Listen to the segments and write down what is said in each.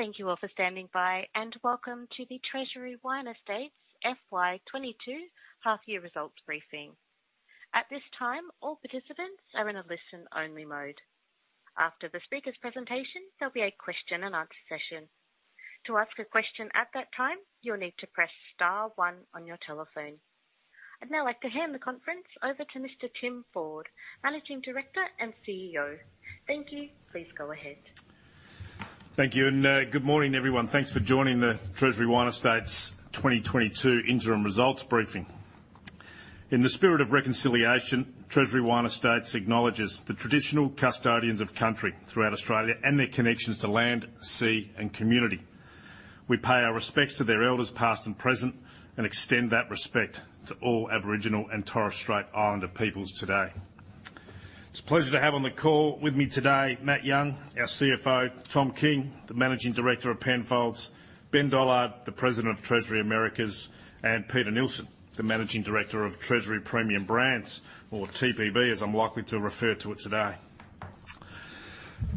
Thank you all for standing by, and welcome to the Treasury Wine Estates FY 2022 half year results briefing. At this time, all participants are in a listen-only mode. After the speaker's presentation, there'll be a question and answer session. To ask a question at that time, you'll need to press star one on your telephone. I'd now like to hand the conference over to Mr. Tim Ford, Managing Director and CEO. Thank you. Please go ahead. Thank you, and, good morning, everyone. Thanks for joining the Treasury Wine Estates' 2022 interim results briefing. In the spirit of reconciliation, Treasury Wine Estates acknowledges the traditional custodians of country throughout Australia and their connections to land, sea, and community. We pay our respects to their elders past and present, and extend that respect to all Aboriginal and Torres Strait Islander peoples today. It's a pleasure to have on the call with me today, Matt Young, our CFO, Tom King, the Managing Director of Penfolds, Ben Dollard, the President of Treasury Americas, and Peter Neilson, the Managing Director of Treasury Premium Brands, or TPB, as I'm likely to refer to it today.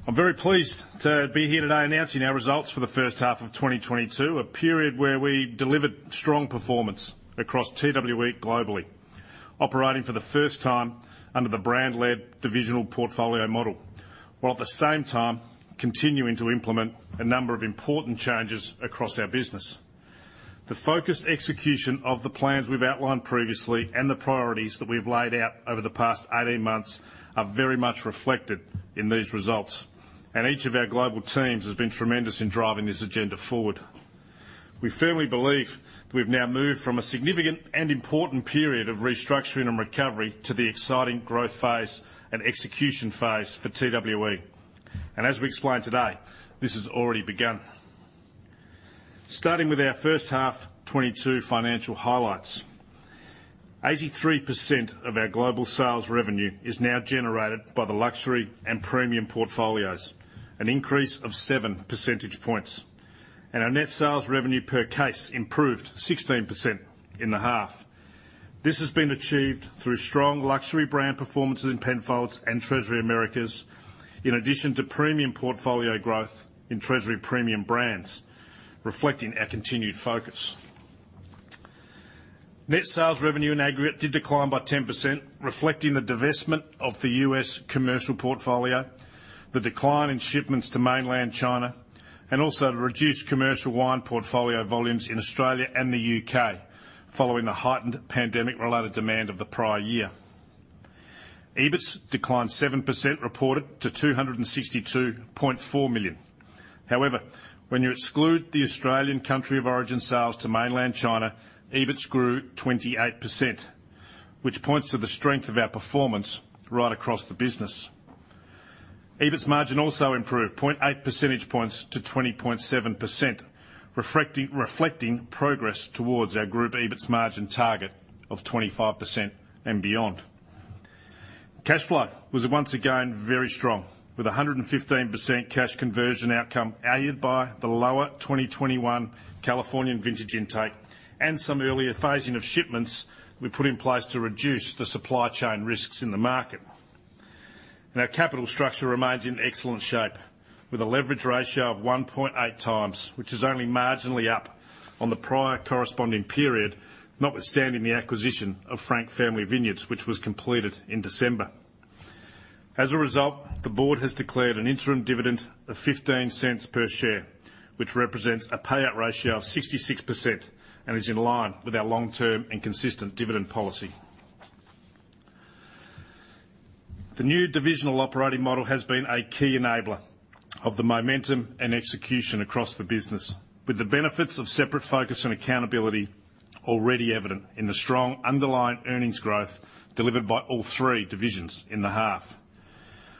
I'm very pleased to be here today announcing our results for the first half of 2022, a period where we delivered strong performance across TWE globally, operating for the first time under the brand-led divisional portfolio model, while at the same time, continuing to implement a number of important changes across our business. The focused execution of the plans we've outlined previously and the priorities that we've laid out over the past 18 months are very much reflected in these results, and each of our global teams has been tremendous in driving this agenda forward. We firmly believe we've now moved from a significant and important period of restructuring and recovery to the exciting growth phase and execution phase for TWE. As we explain today, this has already begun. Starting with our first half 2022 financial highlights. 83% of our global sales revenue is now generated by the luxury and premium portfolios, an increase of seven percentage points. Our net sales revenue per case improved 16% in the half. This has been achieved through strong luxury brand performances in Penfolds and Treasury Americas, in addition to premium portfolio growth in Treasury Premium Brands, reflecting our continued focus. Net sales revenue in aggregate did decline by 10%, reflecting the divestment of the U.S. commercial portfolio, the decline in shipments to Mainland China, and also the reduced commercial wine portfolio volumes in Australia and the U.K., following the heightened pandemic-related demand of the prior year. EBIT declined 7%, reported to 262.4 million. However, when you exclude the Australian country of origin sales to Mainland China, EBIT grew 28%, which points to the strength of our performance right across the business. EBIT's margin also improved 0.8 percentage points to 20.7%, reflecting progress towards our group EBIT's margin target of 25% and beyond. Cash flow was once again very strong, with 115% cash conversion outcome aided by the lower 2021 Californian vintage intake and some earlier phasing of shipments we put in place to reduce the supply chain risks in the market. Our capital structure remains in excellent shape, with a leverage ratio of 1.8x, which is only marginally up on the prior corresponding period, notwithstanding the acquisition of Frank Family Vineyards, which was completed in December. As a result, the board has declared an interim dividend of 0.15 per share, which represents a payout ratio of 66% and is in line with our long-term and consistent dividend policy. The new divisional operating model has been a key enabler of the momentum and execution across the business, with the benefits of separate focus and accountability already evident in the strong underlying earnings growth delivered by all three divisions in the half.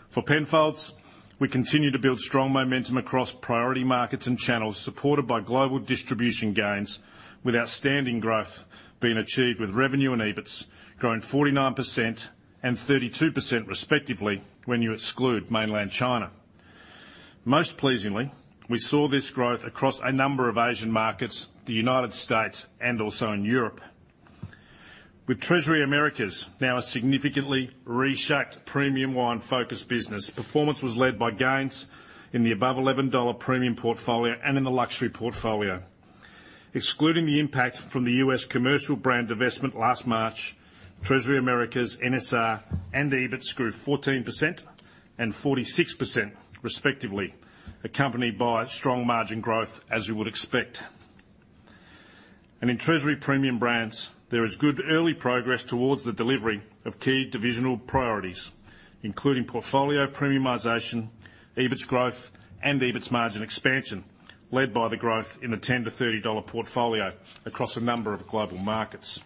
For Penfolds, we continue to build strong momentum across priority markets and channels supported by global distribution gains, with outstanding growth being achieved, with revenue and EBIT growing 49% and 32% respectively when you exclude Mainland China. Most pleasingly, we saw this growth across a number of Asian markets, the United States, and also in Europe. With Treasury Americas, now a significantly reshaped premium wine-focused business, performance was led by gains in the above $11 premium portfolio and in the luxury portfolio. Excluding the impact from the U.S. commercial brand divestment last March, Treasury Americas NSR and EBIT grew 14% and 46% respectively, accompanied by strong margin growth, as you would expect. In Treasury Premium Brands, there is good early progress towards the delivery of key divisional priorities, including portfolio premiumization, EBIT growth, and EBIT's margin expansion, led by the growth in the $10-$30 portfolio across a number of global markets.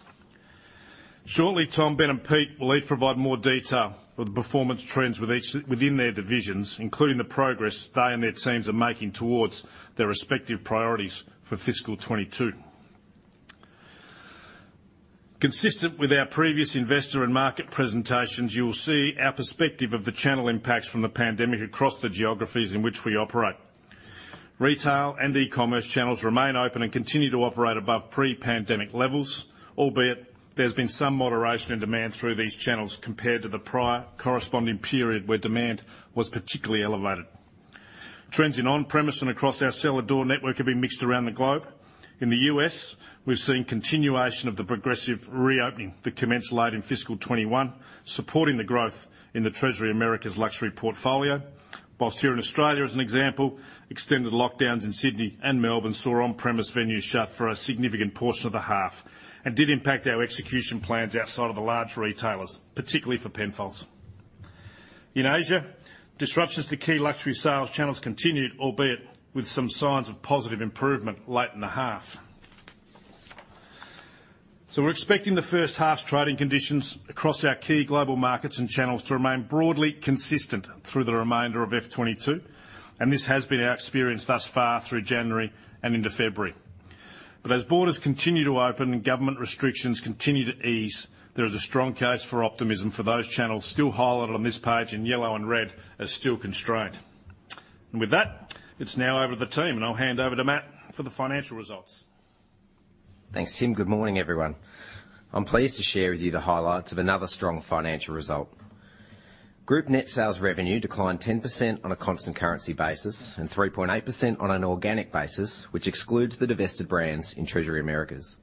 Shortly, Tom, Ben, and Pete will each provide more detail of the performance trends within their divisions, including the progress they and their teams are making towards their respective priorities for fiscal 2022. Consistent with our previous investor and market presentations, you will see our perspective of the channel impacts from the pandemic across the geographies in which we operate. Retail and e-commerce channels remain open and continue to operate above pre-pandemic levels, albeit there's been some moderation in demand through these channels compared to the prior corresponding period where demand was particularly elevated. Trends in on-premise and across our cellar door network have been mixed around the globe. In the U.S., we've seen continuation of the progressive reopening that commenced late in fiscal 2021, supporting the growth in the Treasury Americas luxury portfolio. While here in Australia, as an example, extended lockdowns in Sydney and Melbourne saw on-premise venues shut for a significant portion of the half and did impact our execution plans outside of the large retailers, particularly for Penfolds. In Asia, disruptions to key luxury sales channels continued, albeit with some signs of positive improvement late in the half. We're expecting the first half's trading conditions across our key global markets and channels to remain broadly consistent through the remainder of FY 2022, and this has been our experience thus far through January and into February. As borders continue to open and government restrictions continue to ease, there is a strong case for optimism for those channels still highlighted on this page in yellow and red as still constrained. With that, it's now over to the team, and I'll hand over to Matt for the financial results. Thanks, Tim. Good morning, everyone. I'm pleased to share with you the highlights of another strong financial result. Group net sales revenue declined 10% on a constant currency basis and 3.8% on an organic basis, which excludes the divested brands in Treasury Americas.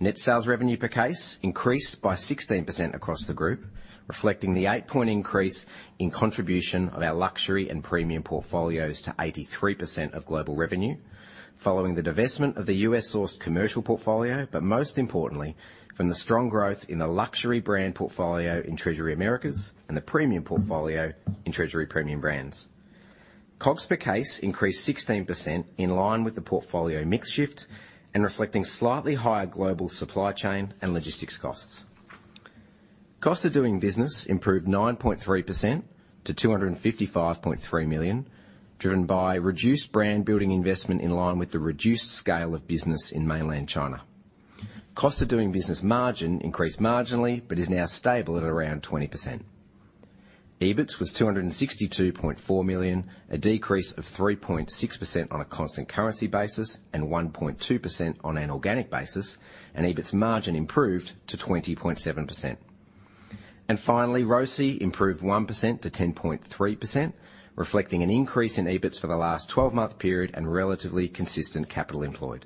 Net sales revenue per case increased by 16% across the group, reflecting the eight-point increase in contribution of our luxury and premium portfolios to 83% of global revenue following the divestment of the U.S.-sourced commercial portfolio, but most importantly from the strong growth in the luxury brand portfolio in Treasury Americas and the premium portfolio in Treasury Premium Brands. COGS per case increased 16% in line with the portfolio mix shift and reflecting slightly higher global supply chain and logistics costs. Cost of doing business improved 9.3% to 255.3 million, driven by reduced brand building investment in line with the reduced scale of business in Mainland China. Cost of doing business margin increased marginally, but is now stable at around 20%. EBIT was 262.4 million, a decrease of 3.6% on a constant currency basis and 1.2% on an organic basis, and EBIT's margin improved to 20.7%. Finally, ROCE improved 1% to 10.3%, reflecting an increase in EBIT for the last 12-month period and relatively consistent capital employed.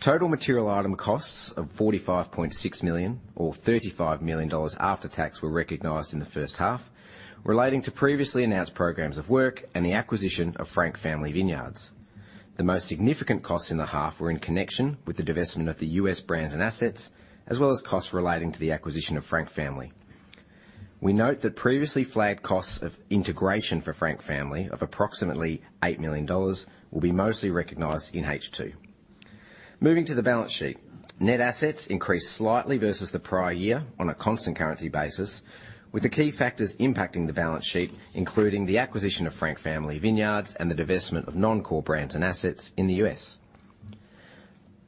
Total material item costs of 45.6 million or 35 million dollars after tax were recognized in the first half, relating to previously announced programs of work and the acquisition of Frank Family Vineyards. The most significant costs in the half were in connection with the divestment of the U.S. brands and assets, as well as costs relating to the acquisition of Frank Family. We note that previously flagged costs of integration for Frank Family of approximately 8 million dollars will be mostly recognized in H2. Moving to the balance sheet. Net assets increased slightly versus the prior year on a constant currency basis, with the key factors impacting the balance sheet, including the acquisition of Frank Family Vineyards and the divestment of non-core brands and assets in the U.S.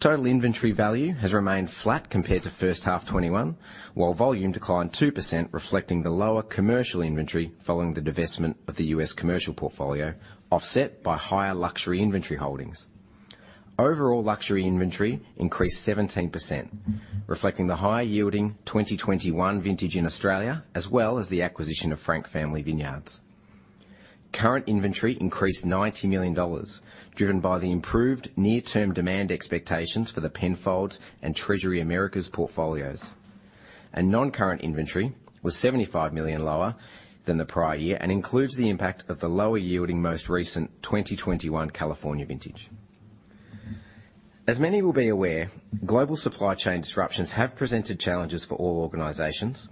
Total inventory value has remained flat compared to first half 2021, while volume declined 2%, reflecting the lower commercial inventory following the divestment of the U.S. commercial portfolio, offset by higher luxury inventory holdings. Overall luxury inventory increased 17%, reflecting the higher yielding 2021 vintage in Australia, as well as the acquisition of Frank Family Vineyards. Current inventory increased 90 million dollars, driven by the improved near-term demand expectations for the Penfolds and Treasury Americas portfolios. Non-current inventory was 75 million lower than the prior year and includes the impact of the lower yielding most recent 2021 California vintage. As many will be aware, global supply chain disruptions have presented challenges for all organizations.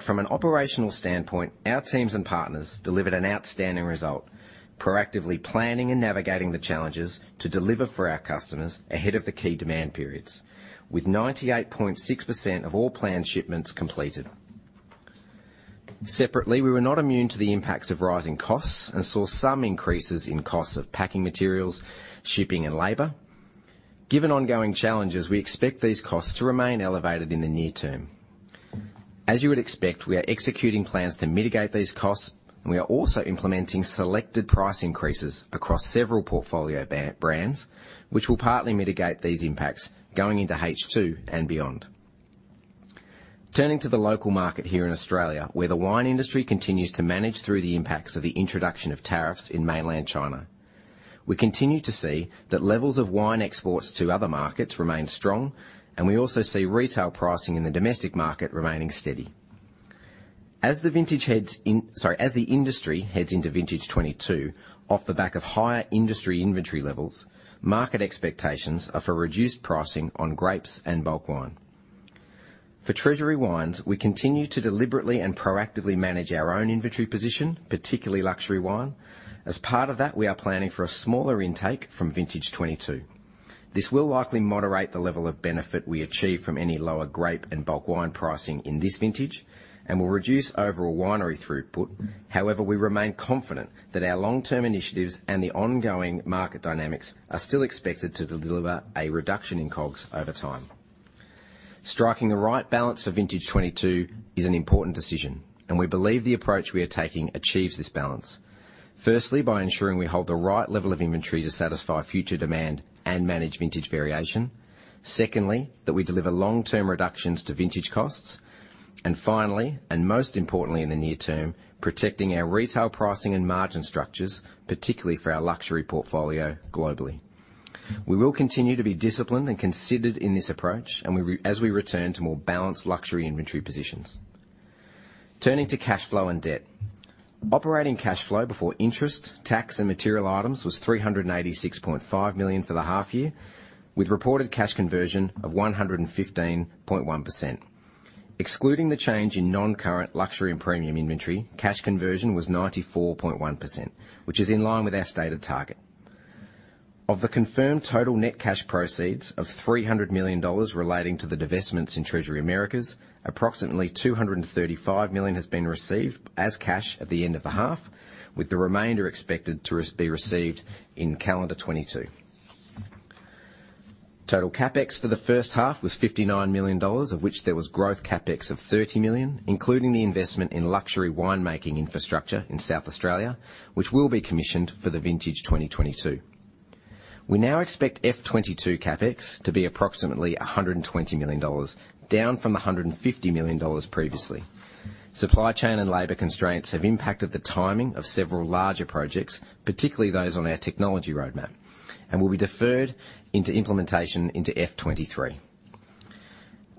From an operational standpoint, our teams and partners delivered an outstanding result, proactively planning and navigating the challenges to deliver for our customers ahead of the key demand periods with 98.6% of all planned shipments completed. Separately, we were not immune to the impacts of rising costs and saw some increases in costs of packing materials, shipping, and labor. Given ongoing challenges, we expect these costs to remain elevated in the near term. As you would expect, we are executing plans to mitigate these costs, and we are also implementing selected price increases across several portfolio brands, which will partly mitigate these impacts going into H2 and beyond. Turning to the local market here in Australia, where the wine industry continues to manage through the impacts of the introduction of tariffs in Mainland China. We continue to see that levels of wine exports to other markets remain strong, and we also see retail pricing in the domestic market remaining steady. As the industry heads into vintage 2022, off the back of higher industry inventory levels, market expectations are for reduced pricing on grapes and bulk wine. For Treasury Wine Estates, we continue to deliberately and proactively manage our own inventory position, particularly luxury wine. As part of that, we are planning for a smaller intake from vintage 2022. This will likely moderate the level of benefit we achieve from any lower grape and bulk wine pricing in this vintage and will reduce overall winery throughput. However, we remain confident that our long-term initiatives and the ongoing market dynamics are still expected to deliver a reduction in COGS over time. Striking the right balance for vintage 2022 is an important decision, and we believe the approach we are taking achieves this balance, firstly by ensuring we hold the right level of inventory to satisfy future demand and manage vintage variation, secondly that we deliver long-term reductions to vintage costs. Finally, and most importantly in the near term, protecting our retail pricing and margin structures, particularly for our luxury portfolio globally. We will continue to be disciplined and considered in this approach as we return to more balanced luxury inventory positions. Turning to cash flow and debt. Operating cash flow before interest, tax, and material items was 386.5 million for the half year, with reported cash conversion of 115.1%. Excluding the change in non-current luxury and premium inventory, cash conversion was 94.1%, which is in line with our stated target. Of the confirmed total net cash proceeds of $300 million relating to the divestments in Treasury Americas, approximately $235 million has been received as cash at the end of the half, with the remainder expected to be received in calendar 2022. Total CapEx for the first half was $59 million, of which there was growth CapEx of $30 million, including the investment in luxury winemaking infrastructure in South Australia, which will be commissioned for the vintage 2022. We now expect FY 2022 CapEx to be approximately $120 million, down from $150 million previously. Supply chain and labor constraints have impacted the timing of several larger projects, particularly those on our technology roadmap, and will be deferred into implementation into FY 2023.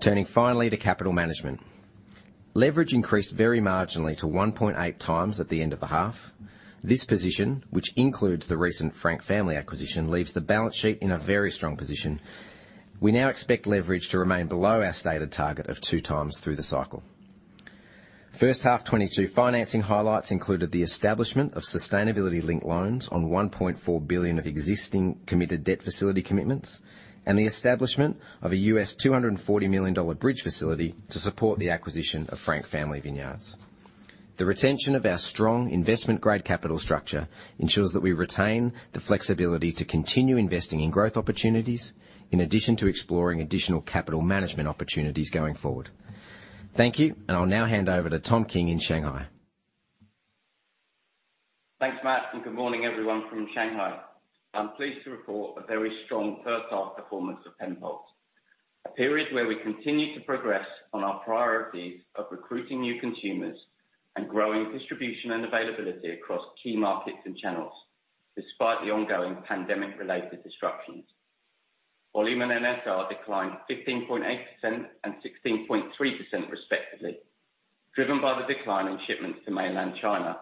Turning finally to capital management. Leverage increased very marginally to 1.8x at the end of the half. This position, which includes the recent Frank Family acquisition, leaves the balance sheet in a very strong position. We now expect leverage to remain below our stated target of 2x through the cycle. First half 2022 financing highlights included the establishment of sustainability-linked loans on 1.4 billion of existing committed debt facility commitments, and the establishment of a $240 million bridge facility to support the acquisition of Frank Family Vineyards. The retention of our strong investment-grade capital structure ensures that we retain the flexibility to continue investing in growth opportunities, in addition to exploring additional capital management opportunities going forward. Thank you. I'll now hand over to Tom King in Shanghai. Thanks, Matt, and good morning everyone from Shanghai. I'm pleased to report a very strong first half performance of Penfolds, a period where we continued to progress on our priorities of recruiting new consumers and growing distribution and availability across key markets and channels, despite the ongoing pandemic-related disruptions. Volume and NSR declined 15.8% and 16.3% respectively, driven by the decline in shipments to Mainland China,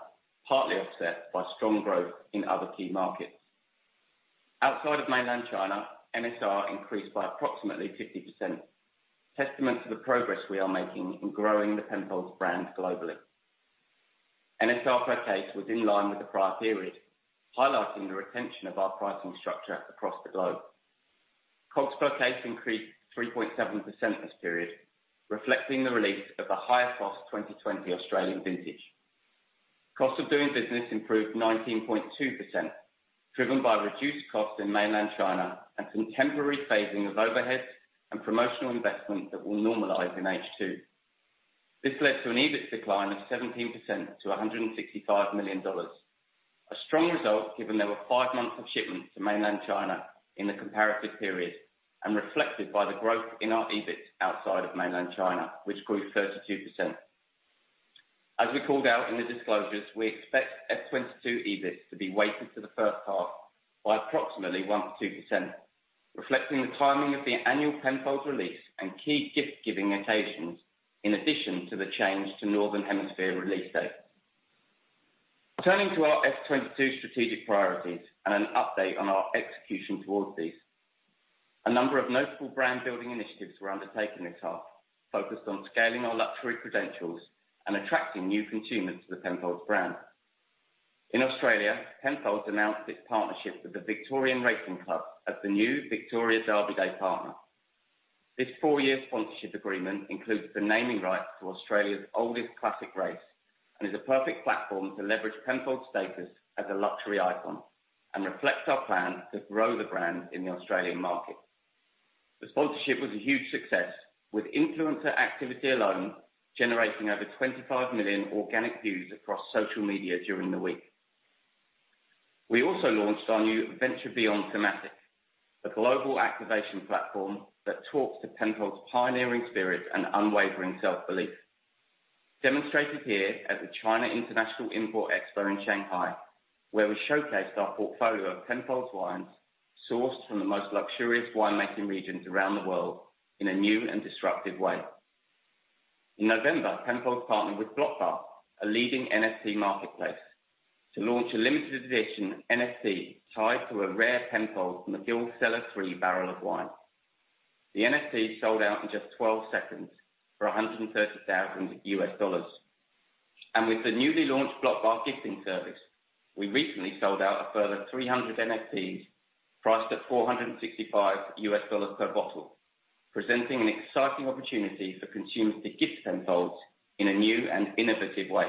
partly offset by strong growth in other key markets. Outside of Mainland China, NSR increased by approximately 50%, testament to the progress we are making in growing the Penfolds brands globally. NSR per case was in line with the prior period, highlighting the retention of our pricing structure across the globe. COGS per case increased 3.7% this period, reflecting the release of the higher cost 2020 Australian vintage. Cost of doing business improved 19.2%, driven by reduced costs in Mainland China and some temporary phasing of overheads and promotional investment that will normalize in H2. This led to an EBIT decline of 17% to 165 million dollars. A strong result given there were five months of shipments to Mainland China in the comparative period, and reflected by the growth in our EBIT outside of Mainland China, which grew 32%. As we called out in the disclosures, we expect FY 2022 EBIT to be weighted to the first half by approximately 1%-2%, reflecting the timing of the annual Penfolds release and key gift-giving occasions, in addition to the change to Northern Hemisphere release dates. Turning to our FY 2022 strategic priorities and an update on our execution towards these. A number of notable brand-building initiatives were undertaken this half, focused on scaling our luxury credentials and attracting new consumers to the Penfolds brand. In Australia, Penfolds announced its partnership with the Victoria Racing Club as the new Victoria Derby Day partner. This four-year sponsorship agreement includes the naming rights to Australia's oldest classic race, and is a perfect platform to leverage Penfolds status as a luxury icon and reflects our plan to grow the brand in the Australian market. The sponsorship was a huge success, with influencer activity alone generating over 25 million organic views across social media during the week. We also launched our new Venture Beyond thematic, a global activation platform that talks to Penfolds pioneering spirit and unwavering self-belief. Demonstrated here at the China International Import Expo in Shanghai, where we showcased our portfolio of Penfolds wines sourced from the most luxurious winemaking regions around the world in a new and disruptive way. In November, Penfolds partnered with BlockBar, a leading NFT marketplace, to launch a limited edition NFT tied to a rare Penfolds Magill Cellar 3 barrel of wine. The NFT sold out in just 12 seconds for $130,000. With the newly launched BlockBar gifting service, we recently sold out a further 300 NFTs priced at $465 per bottle, presenting an exciting opportunity for consumers to gift Penfolds in a new and innovative way.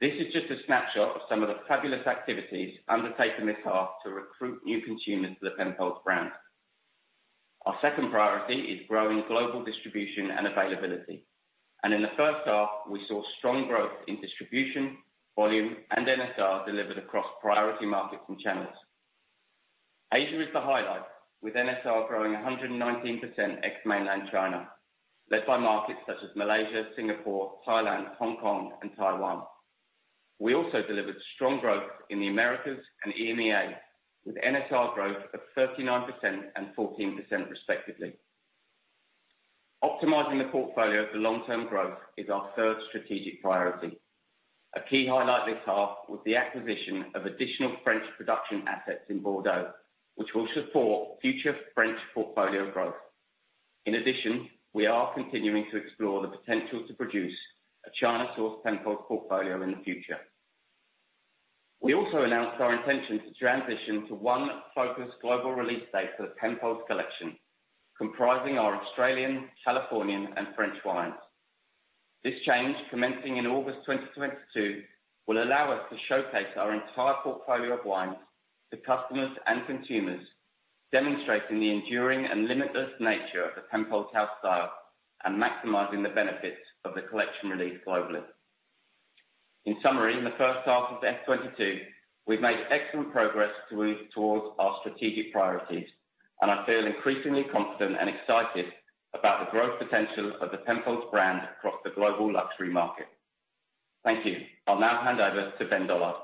This is just a snapshot of some of the fabulous activities undertaken this half to recruit new consumers to the Penfolds brand. Our second priority is growing global distribution and availability. In the first half, we saw strong growth in distribution, volume, and NSR delivered across priority markets and channels. Asia is the highlight, with NSR growing 119% ex-Mainland China, led by markets such as Malaysia, Singapore, Thailand, Hong Kong, and Taiwan. We also delivered strong growth in the Americas and EMEA, with NSR growth of 39% and 14% respectively. Optimizing the portfolio for long-term growth is our third strategic priority. A key highlight this half was the acquisition of additional French production assets in Bordeaux, which will support future French portfolio growth. In addition, we are continuing to explore the potential to produce a China source Penfolds portfolio in the future. We also announced our intention to transition to one focused global release date for the Penfolds Collection, comprising our Australian, Californian, and French wines. This change, commencing in August 2022, will allow us to showcase our entire portfolio of wines to customers and consumers, demonstrating the enduring and limitless nature of the Penfolds house style and maximizing the benefits of the collection release globally. In summary, in the first half of 2022, we've made excellent progress to move towards our strategic priorities, and I feel increasingly confident and excited about the growth potential of the Penfolds brand across the global luxury market. Thank you. I'll now hand over to Ben Dollard.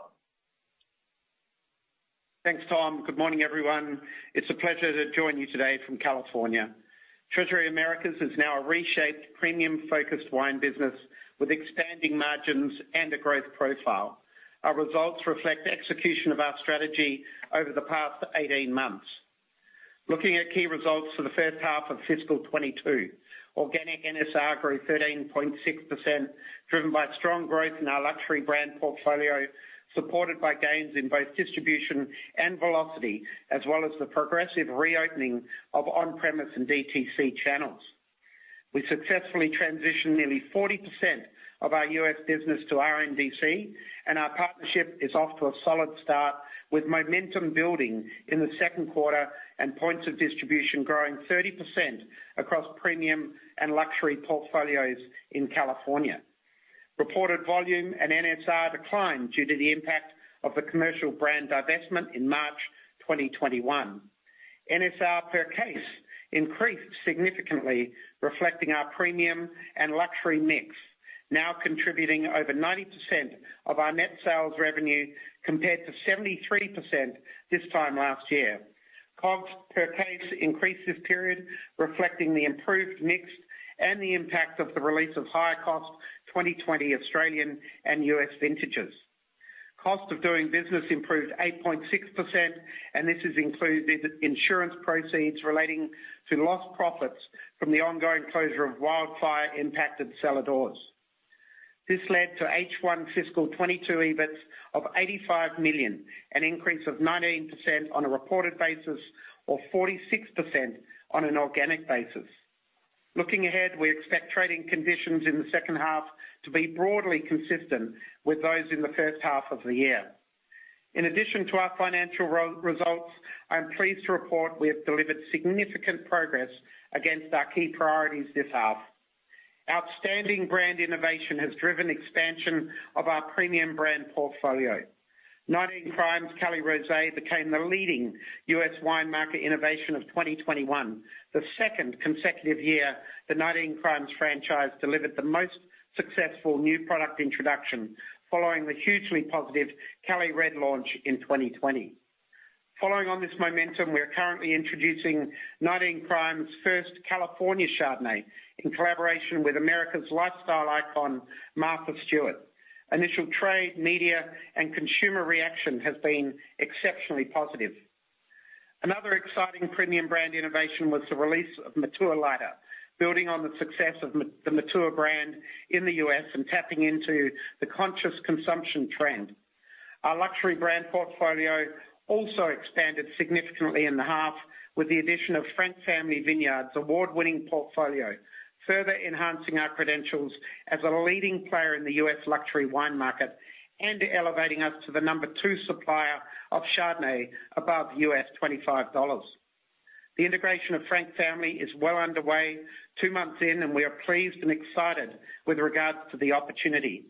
Thanks, Tom. Good morning, everyone. It's a pleasure to join you today from California. Treasury Americas is now a reshaped, premium-focused wine business with expanding margins and a growth profile. Our results reflect the execution of our strategy over the past 18 months. Looking at key results for the first half of FY 2022, organic NSR grew 13.6%, driven by strong growth in our luxury brand portfolio, supported by gains in both distribution and velocity, as well as the progressive reopening of on-premise and DTC channels. We successfully transitioned nearly 40% of our U.S. business to RNDC, and our partnership is off to a solid start with momentum building in the second quarter and points of distribution growing 30% across premium and luxury portfolios in California. Reported volume and NSR declined due to the impact of the commercial brand divestment in March 2021. NSR per case increased significantly, reflecting our premium and luxury mix, now contributing over 90% of our net sales revenue, compared to 73% this time last year. COGS per case increased this period, reflecting the improved mix and the impact of the release of higher cost 2020 Australian and U.S. vintages. Cost of doing business improved 8.6%, and this has included insurance proceeds relating to lost profits from the ongoing closure of wildfire-impacted cellar doors. This led to H1 FY 2022 EBIT of 85 million, an increase of 19% on a reported basis, or 46% on an organic basis. Looking ahead, we expect trading conditions in the second half to be broadly consistent with those in the first half of the year. In addition to our financial results, I am pleased to report we have delivered significant progress against our key priorities this half. Outstanding brand innovation has driven expansion of our premium brand portfolio. 19 Crimes Cali Rosé became the leading U.S. wine market innovation of 2021, the second consecutive year the 19 Crimes franchise delivered the most successful new product introduction following the hugely positive Cali Red launch in 2020. Following on this momentum, we are currently introducing 19 Crimes' first California Chardonnay in collaboration with America's lifestyle icon, Martha Stewart. Initial trade, media, and consumer reaction has been exceptionally positive. Another exciting premium brand innovation was the release of Matua Lighter, building on the success of the Matua brand in the U.S. and tapping into the conscious consumption trend. Our luxury brand portfolio also expanded significantly in the half with the addition of Frank Family Vineyards' award-winning portfolio, further enhancing our credentials as a leading player in the U.S. luxury wine market and elevating us to the number two supplier of Chardonnay above U.S. $25. The integration of Frank Family is well underway two months in, and we are pleased and excited with regards to the opportunity.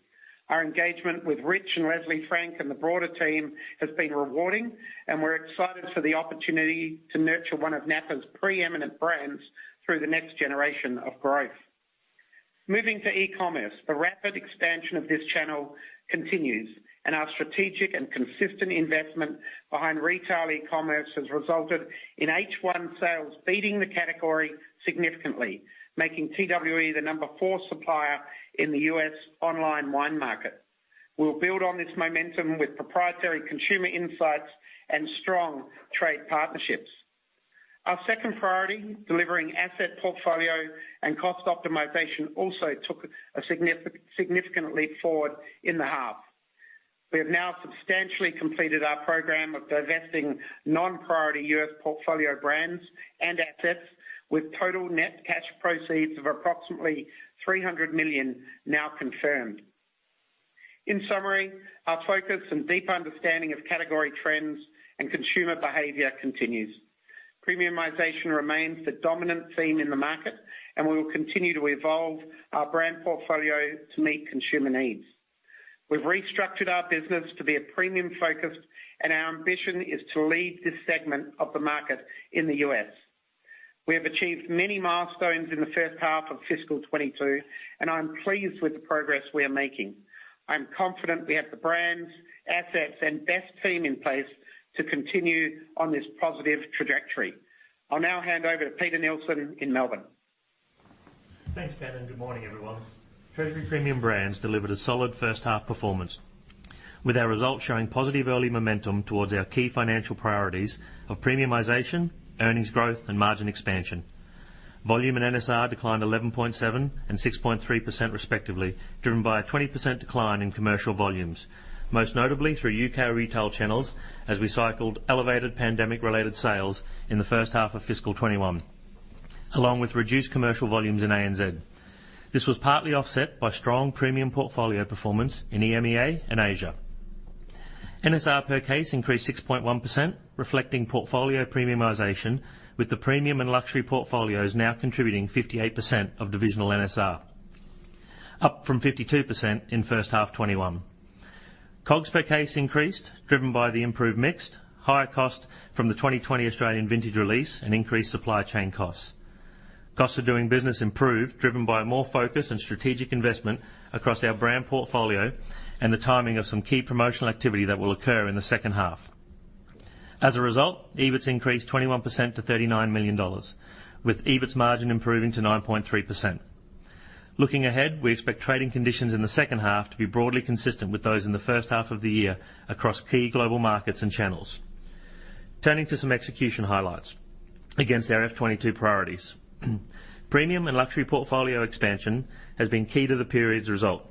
Our engagement with Rich Frank and Leslie Frank and the broader team has been rewarding, and we're excited for the opportunity to nurture one of Napa's preeminent brands through the next generation of growth. Moving to e-commerce, the rapid expansion of this channel continues, and our strategic and consistent investment behind retail e-commerce has resulted in H1 sales beating the category significantly, making TWE the number four supplier in the U.S. online wine market. We'll build on this momentum with proprietary consumer insights and strong trade partnerships. Our second priority, delivering asset portfolio and cost optimization, also took a significant leap forward in the half. We have now substantially completed our program of divesting non-priority U.S. portfolio brands and assets with total net cash proceeds of approximately 300 million now confirmed. In summary, our focus and deep understanding of category trends and consumer behavior continues. Premiumization remains the dominant theme in the market, and we will continue to evolve our brand portfolio to meet consumer needs. We've restructured our business to be premium-focused, and our ambition is to lead this segment of the market in the U.S. We have achieved many milestones in the first half of fiscal 2022, and I'm pleased with the progress we are making. I'm confident we have the brands, assets, and best team in place to continue on this positive trajectory. I'll now hand over to Peter Neilson in Melbourne. Thanks, Ben, and good morning, everyone. Treasury Premium Brands delivered a solid first-half performance, with our results showing positive early momentum towards our key financial priorities of premiumization, earnings growth, and margin expansion. Volume in NSR declined 11.7% and 6.3% respectively, driven by a 20% decline in commercial volumes. Most notably through U.K. retail channels as we cycled elevated pandemic-related sales in the first half of fiscal 2021, along with reduced commercial volumes in ANZ. This was partly offset by strong premium portfolio performance in EMEA and Asia. NSR per case increased 6.1%, reflecting portfolio premiumization, with the premium and luxury portfolios now contributing 58% of divisional NSR, up from 52% in first half 2021. COGS per case increased, driven by the improved mix, higher cost from the 2020 Australian vintage release, and increased supply chain costs. Cost of doing business improved, driven by more focus and strategic investment across our brand portfolio and the timing of some key promotional activity that will occur in the second half. As a result, EBIT increased 21% to 39 million dollars with EBIT margin improving to 9.3%. Looking ahead, we expect trading conditions in the second half to be broadly consistent with those in the first half of the year across key global markets and channels. Turning to some execution highlights against our FY 2022 priorities. Premium and luxury portfolio expansion has been key to the period's result.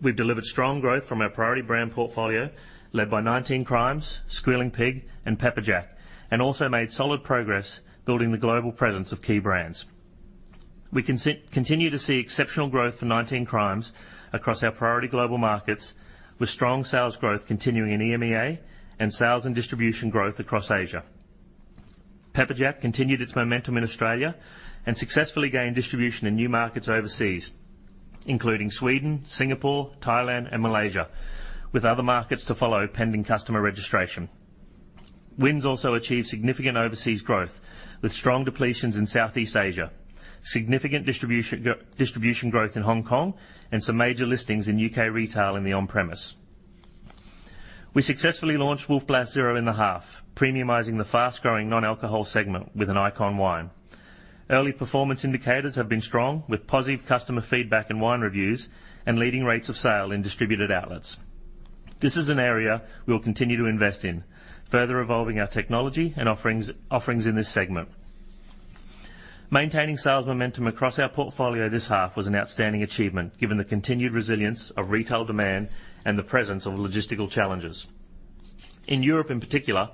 We've delivered strong growth from our priority brand portfolio, led by 19 Crimes, Squealing Pig, and Pepperjack, and also made solid progress building the global presence of key brands. We continue to see exceptional growth for 19 Crimes across our priority global markets, with strong sales growth continuing in EMEA and sales and distribution growth across Asia. Pepperjack continued its momentum in Australia and successfully gained distribution in new markets overseas, including Sweden, Singapore, Thailand, and Malaysia, with other markets to follow pending customer registration. Wynns also achieved significant overseas growth with strong depletions in Southeast Asia, significant distribution growth in Hong Kong, and some major listings in U.K. retail in the on-premise. We successfully launched Wolf Blass Zero in the half, premiumizing the fast-growing non-alcohol segment with an icon wine. Early performance indicators have been strong, with positive customer feedback and wine reviews and leading rates of sale in distributed outlets. This is an area we will continue to invest in, further evolving our technology and offerings in this segment. Maintaining sales momentum across our portfolio this half was an outstanding achievement, given the continued resilience of retail demand and the presence of logistical challenges. In Europe in particular,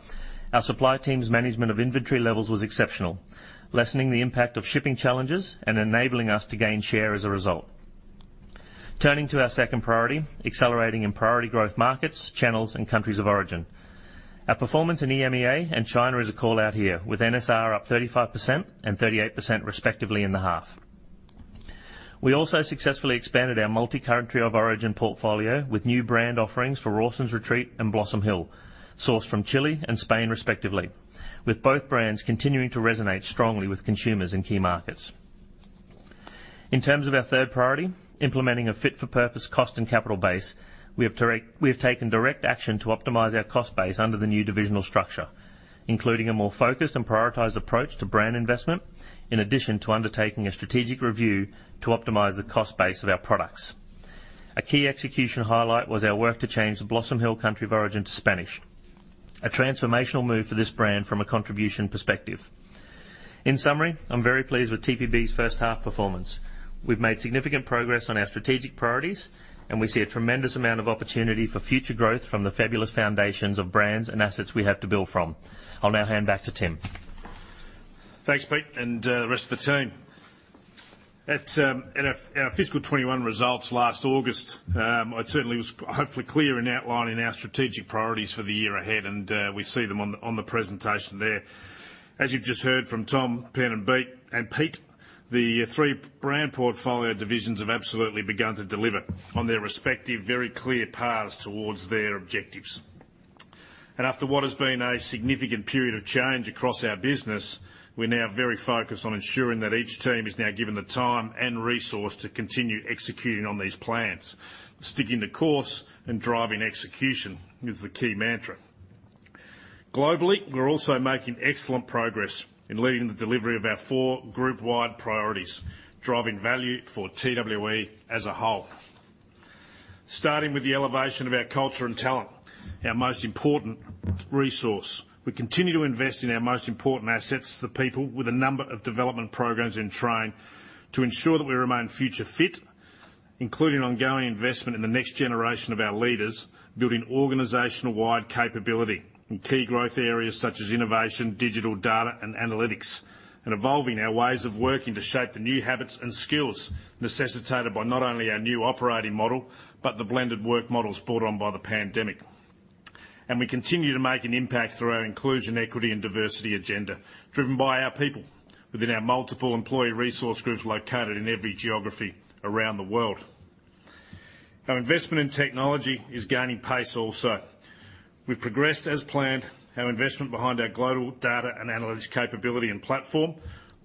our supply team's management of inventory levels was exceptional, lessening the impact of shipping challenges and enabling us to gain share as a result. Turning to our second priority, accelerating in priority growth markets, channels, and countries of origin. Our performance in EMEA and China is a call-out here, with NSR up 35% and 38% respectively in the half. We also successfully expanded our multi-country of origin portfolio with new brand offerings for Rawson's Retreat and Blossom Hill, sourced from Chile and Spain, respectively, with both brands continuing to resonate strongly with consumers in key markets. In terms of our third priority, implementing a fit for purpose cost and capital base, we have taken direct action to optimize our cost base under the new divisional structure, including a more focused and prioritized approach to brand investment, in addition to undertaking a strategic review to optimize the cost base of our products. A key execution highlight was our work to change the Blossom Hill country of origin to Spanish, a transformational move for this brand from a contribution perspective. In summary, I'm very pleased with TPB's first half performance. We've made significant progress on our strategic priorities, and we see a tremendous amount of opportunity for future growth from the fabulous foundations of brands and assets we have to build from. I'll now hand back to Tim. Thanks, Pete and the rest of the team. At our fiscal 2021 results last August, I certainly was hopefully clear in outlining our strategic priorities for the year ahead, and we see them on the presentation there. As you've just heard from Tom, Ben, and Pete, the three brand portfolio divisions have absolutely begun to deliver on their respective very clear paths towards their objectives. After what has been a significant period of change across our business, we're now very focused on ensuring that each team is now given the time and resource to continue executing on these plans. Sticking to course and driving execution is the key mantra. Globally, we're also making excellent progress in leading the delivery of our four group-wide priorities, driving value for TWE as a whole. Starting with the elevation of our culture and talent, our most important resource. We continue to invest in our most important assets, the people, with a number of development programs in train to ensure that we remain future fit, including ongoing investment in the next generation of our leaders, building organization-wide capability in key growth areas such as innovation, digital data, and analytics, and evolving our ways of working to shape the new habits and skills necessitated by not only our new operating model, but the blended work models brought on by the pandemic. We continue to make an impact through our inclusion, equity, and diversity agenda, driven by our people within our multiple employee resource groups located in every geography around the world. Our investment in technology is gaining pace also. We've progressed as planned our investment behind our global data and analytics capability and platform,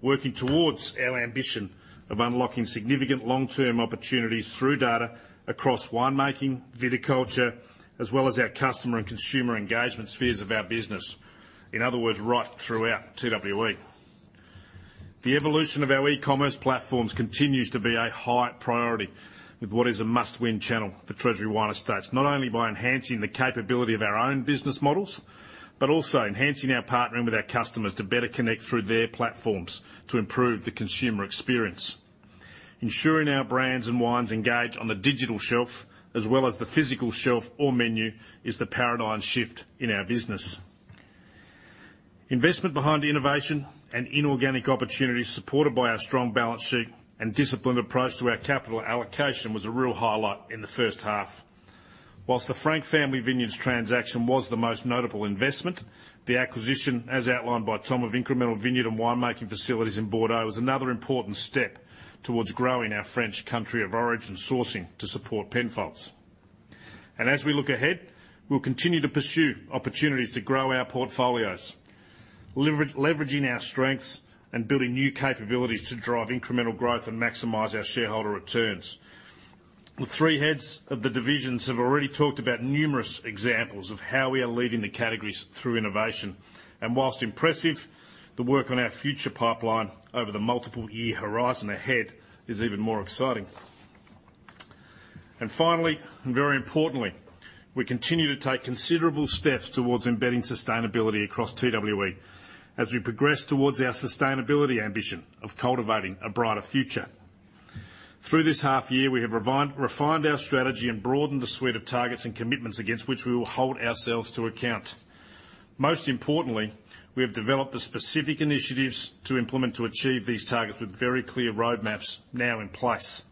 working towards our ambition of unlocking significant long-term opportunities through data across winemaking, viticulture, as well as our customer and consumer engagement spheres of our business. In other words, right throughout TWE. The evolution of our e-commerce platforms continues to be a high priority with what is a must-win channel for Treasury Wine Estates, not only by enhancing the capability of our own business models, but also enhancing our partnering with our customers to better connect through their platforms to improve the consumer experience. Ensuring our brands and wines engage on the digital shelf as well as the physical shelf or menu is the paradigm shift in our business. Investment behind innovation and inorganic opportunities, supported by our strong balance sheet and disciplined approach to our capital allocation, was a real highlight in the first half. While the Frank Family Vineyards transaction was the most notable investment, the acquisition, as outlined by Tom, of incremental vineyard and winemaking facilities in Bordeaux was another important step towards growing our French country of origin sourcing to support Penfolds. As we look ahead, we'll continue to pursue opportunities to grow our portfolios, leveraging our strengths and building new capabilities to drive incremental growth and maximize our shareholder returns. The three heads of the divisions have already talked about numerous examples of how we are leading the categories through innovation. While impressive, the work on our future pipeline over the multiple year horizon ahead is even more exciting. Finally, and very importantly, we continue to take considerable steps towards embedding sustainability across TWE as we progress towards our sustainability ambition of cultivating a brighter future. Through this half year, we have refined our strategy and broadened the suite of targets and commitments against which we will hold ourselves to account. Most importantly, we have developed the specific initiatives to implement to achieve these targets with very clear roadmaps now in place.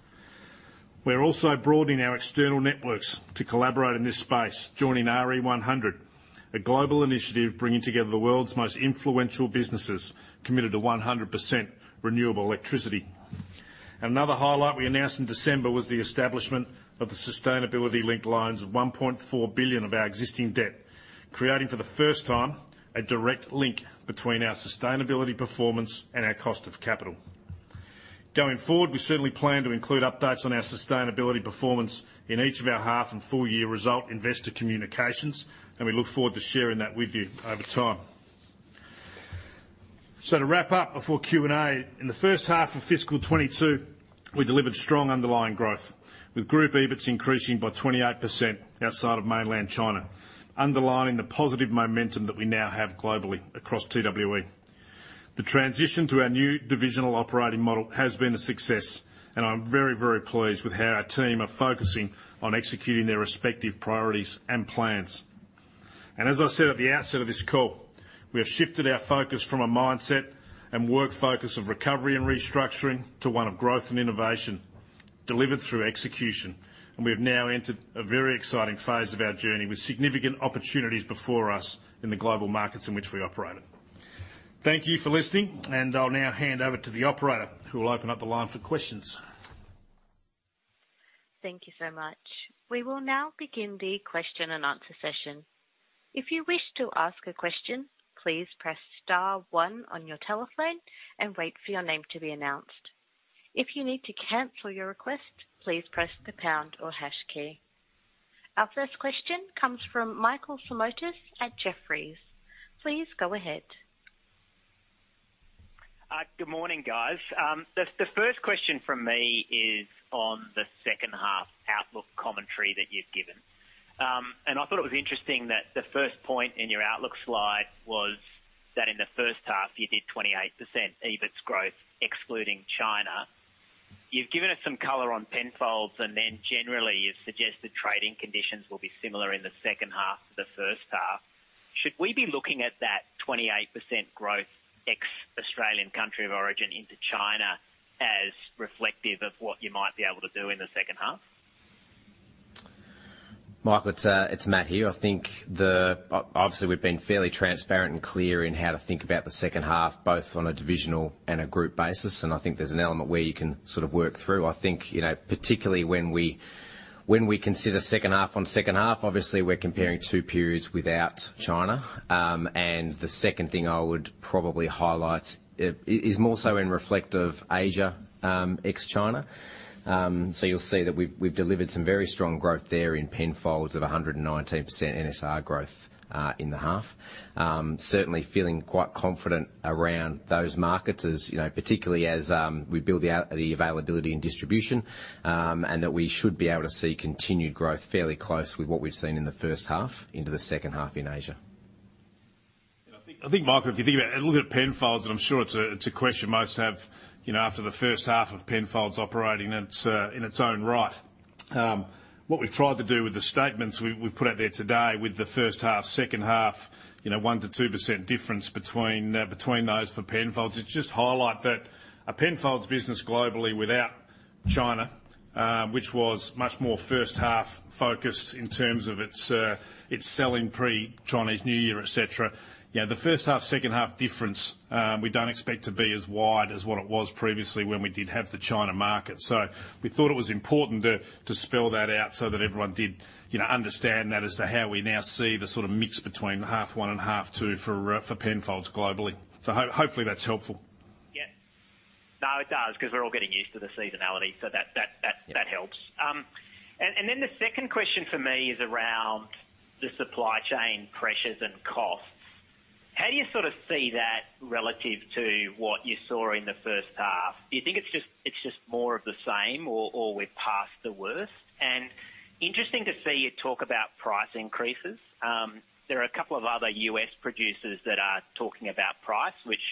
We're also broadening our external networks to collaborate in this space, joining RE100, a global initiative bringing together the world's most influential businesses committed to 100% renewable electricity. Another highlight we announced in December was the establishment of the sustainability-linked loans of 1.4 billion of our existing debt, creating for the first time a direct link between our sustainability performance and our cost of capital. Going forward, we certainly plan to include updates on our sustainability performance in each of our half and full year result investor communications, and we look forward to sharing that with you over time. To wrap up before Q&A, in the first half of FY 2022, we delivered strong underlying growth, with group EBIT increasing by 28% outside of mainland China, underlining the positive momentum that we now have globally across TWE. The transition to our new divisional operating model has been a success, and I'm very, very pleased with how our team are focusing on executing their respective priorities and plans. As I said at the outset of this call, we have shifted our focus from a mindset and work focus of recovery and restructuring to one of growth and innovation delivered through execution. We have now entered a very exciting phase of our journey with significant opportunities before us in the global markets in which we operate. Thank you for listening, and I'll now hand over to the operator, who will open up the line for questions. Thank you so much. We will now begin the question and answer session. If you wish to ask a question, please press star one on your telephone and wait for your name to be announced. If you need to cancel your request, please press the pound or hash key. Our first question comes from Michael Simotas at Jefferies. Please go ahead. Good morning, guys. The first question from me is on the second half outlook commentary that you've given. I thought it was interesting that the first point in your outlook slide was that in the first half you did 28% EBIT growth excluding China. You've given us some color on Penfolds, and then generally you've suggested trading conditions will be similar in the second half to the first half. Should we be looking at that 28% growth ex-Australian country of origin into China as reflective of what you might be able to do in the second half? Michael, it's Matt here. I think obviously we've been fairly transparent and clear in how to think about the second half, both on a divisional and a group basis, and I think there's an element where you can sort of work through. I think, you know, particularly when we consider second half on second half, obviously we're comparing two periods without China. The second thing I would probably highlight is more so in respect of Asia ex-China. You'll see that we've delivered some very strong growth there in Penfolds at 119% NSR growth in the half. Certainly feeling quite confident around those markets as, you know, particularly as we build the availability and distribution, and that we should be able to see continued growth fairly close with what we've seen in the first half into the second half in Asia. Yeah, I think, Michael, if you think about it, look at Penfolds, and I'm sure it's a question most have, you know, after the first half of Penfolds operating in its own right. What we've tried to do with the statements we've put out there today with the first half, second half, you know, 1%-2% difference between those for Penfolds is just highlight that a Penfolds business globally without China, which was much more first half focused in terms of its selling pre Chinese New Year, et cetera. You know, the first half, second half difference, we don't expect to be as wide as what it was previously when we did have the China market. We thought it was important to spell that out so that everyone, you know, did understand that as to how we now see the sort of mix between half one and half two for Penfolds globally. Hopefully that's helpful. No, it does because we're all getting used to the seasonality, so that helps. Then the second question for me is around the supply chain pressures and costs. How do you sort of see that relative to what you saw in the first half? Do you think it's just more of the same or we're past the worst? Interesting to see you talk about price increases. There are a couple of other U.S. producers that are talking about price, which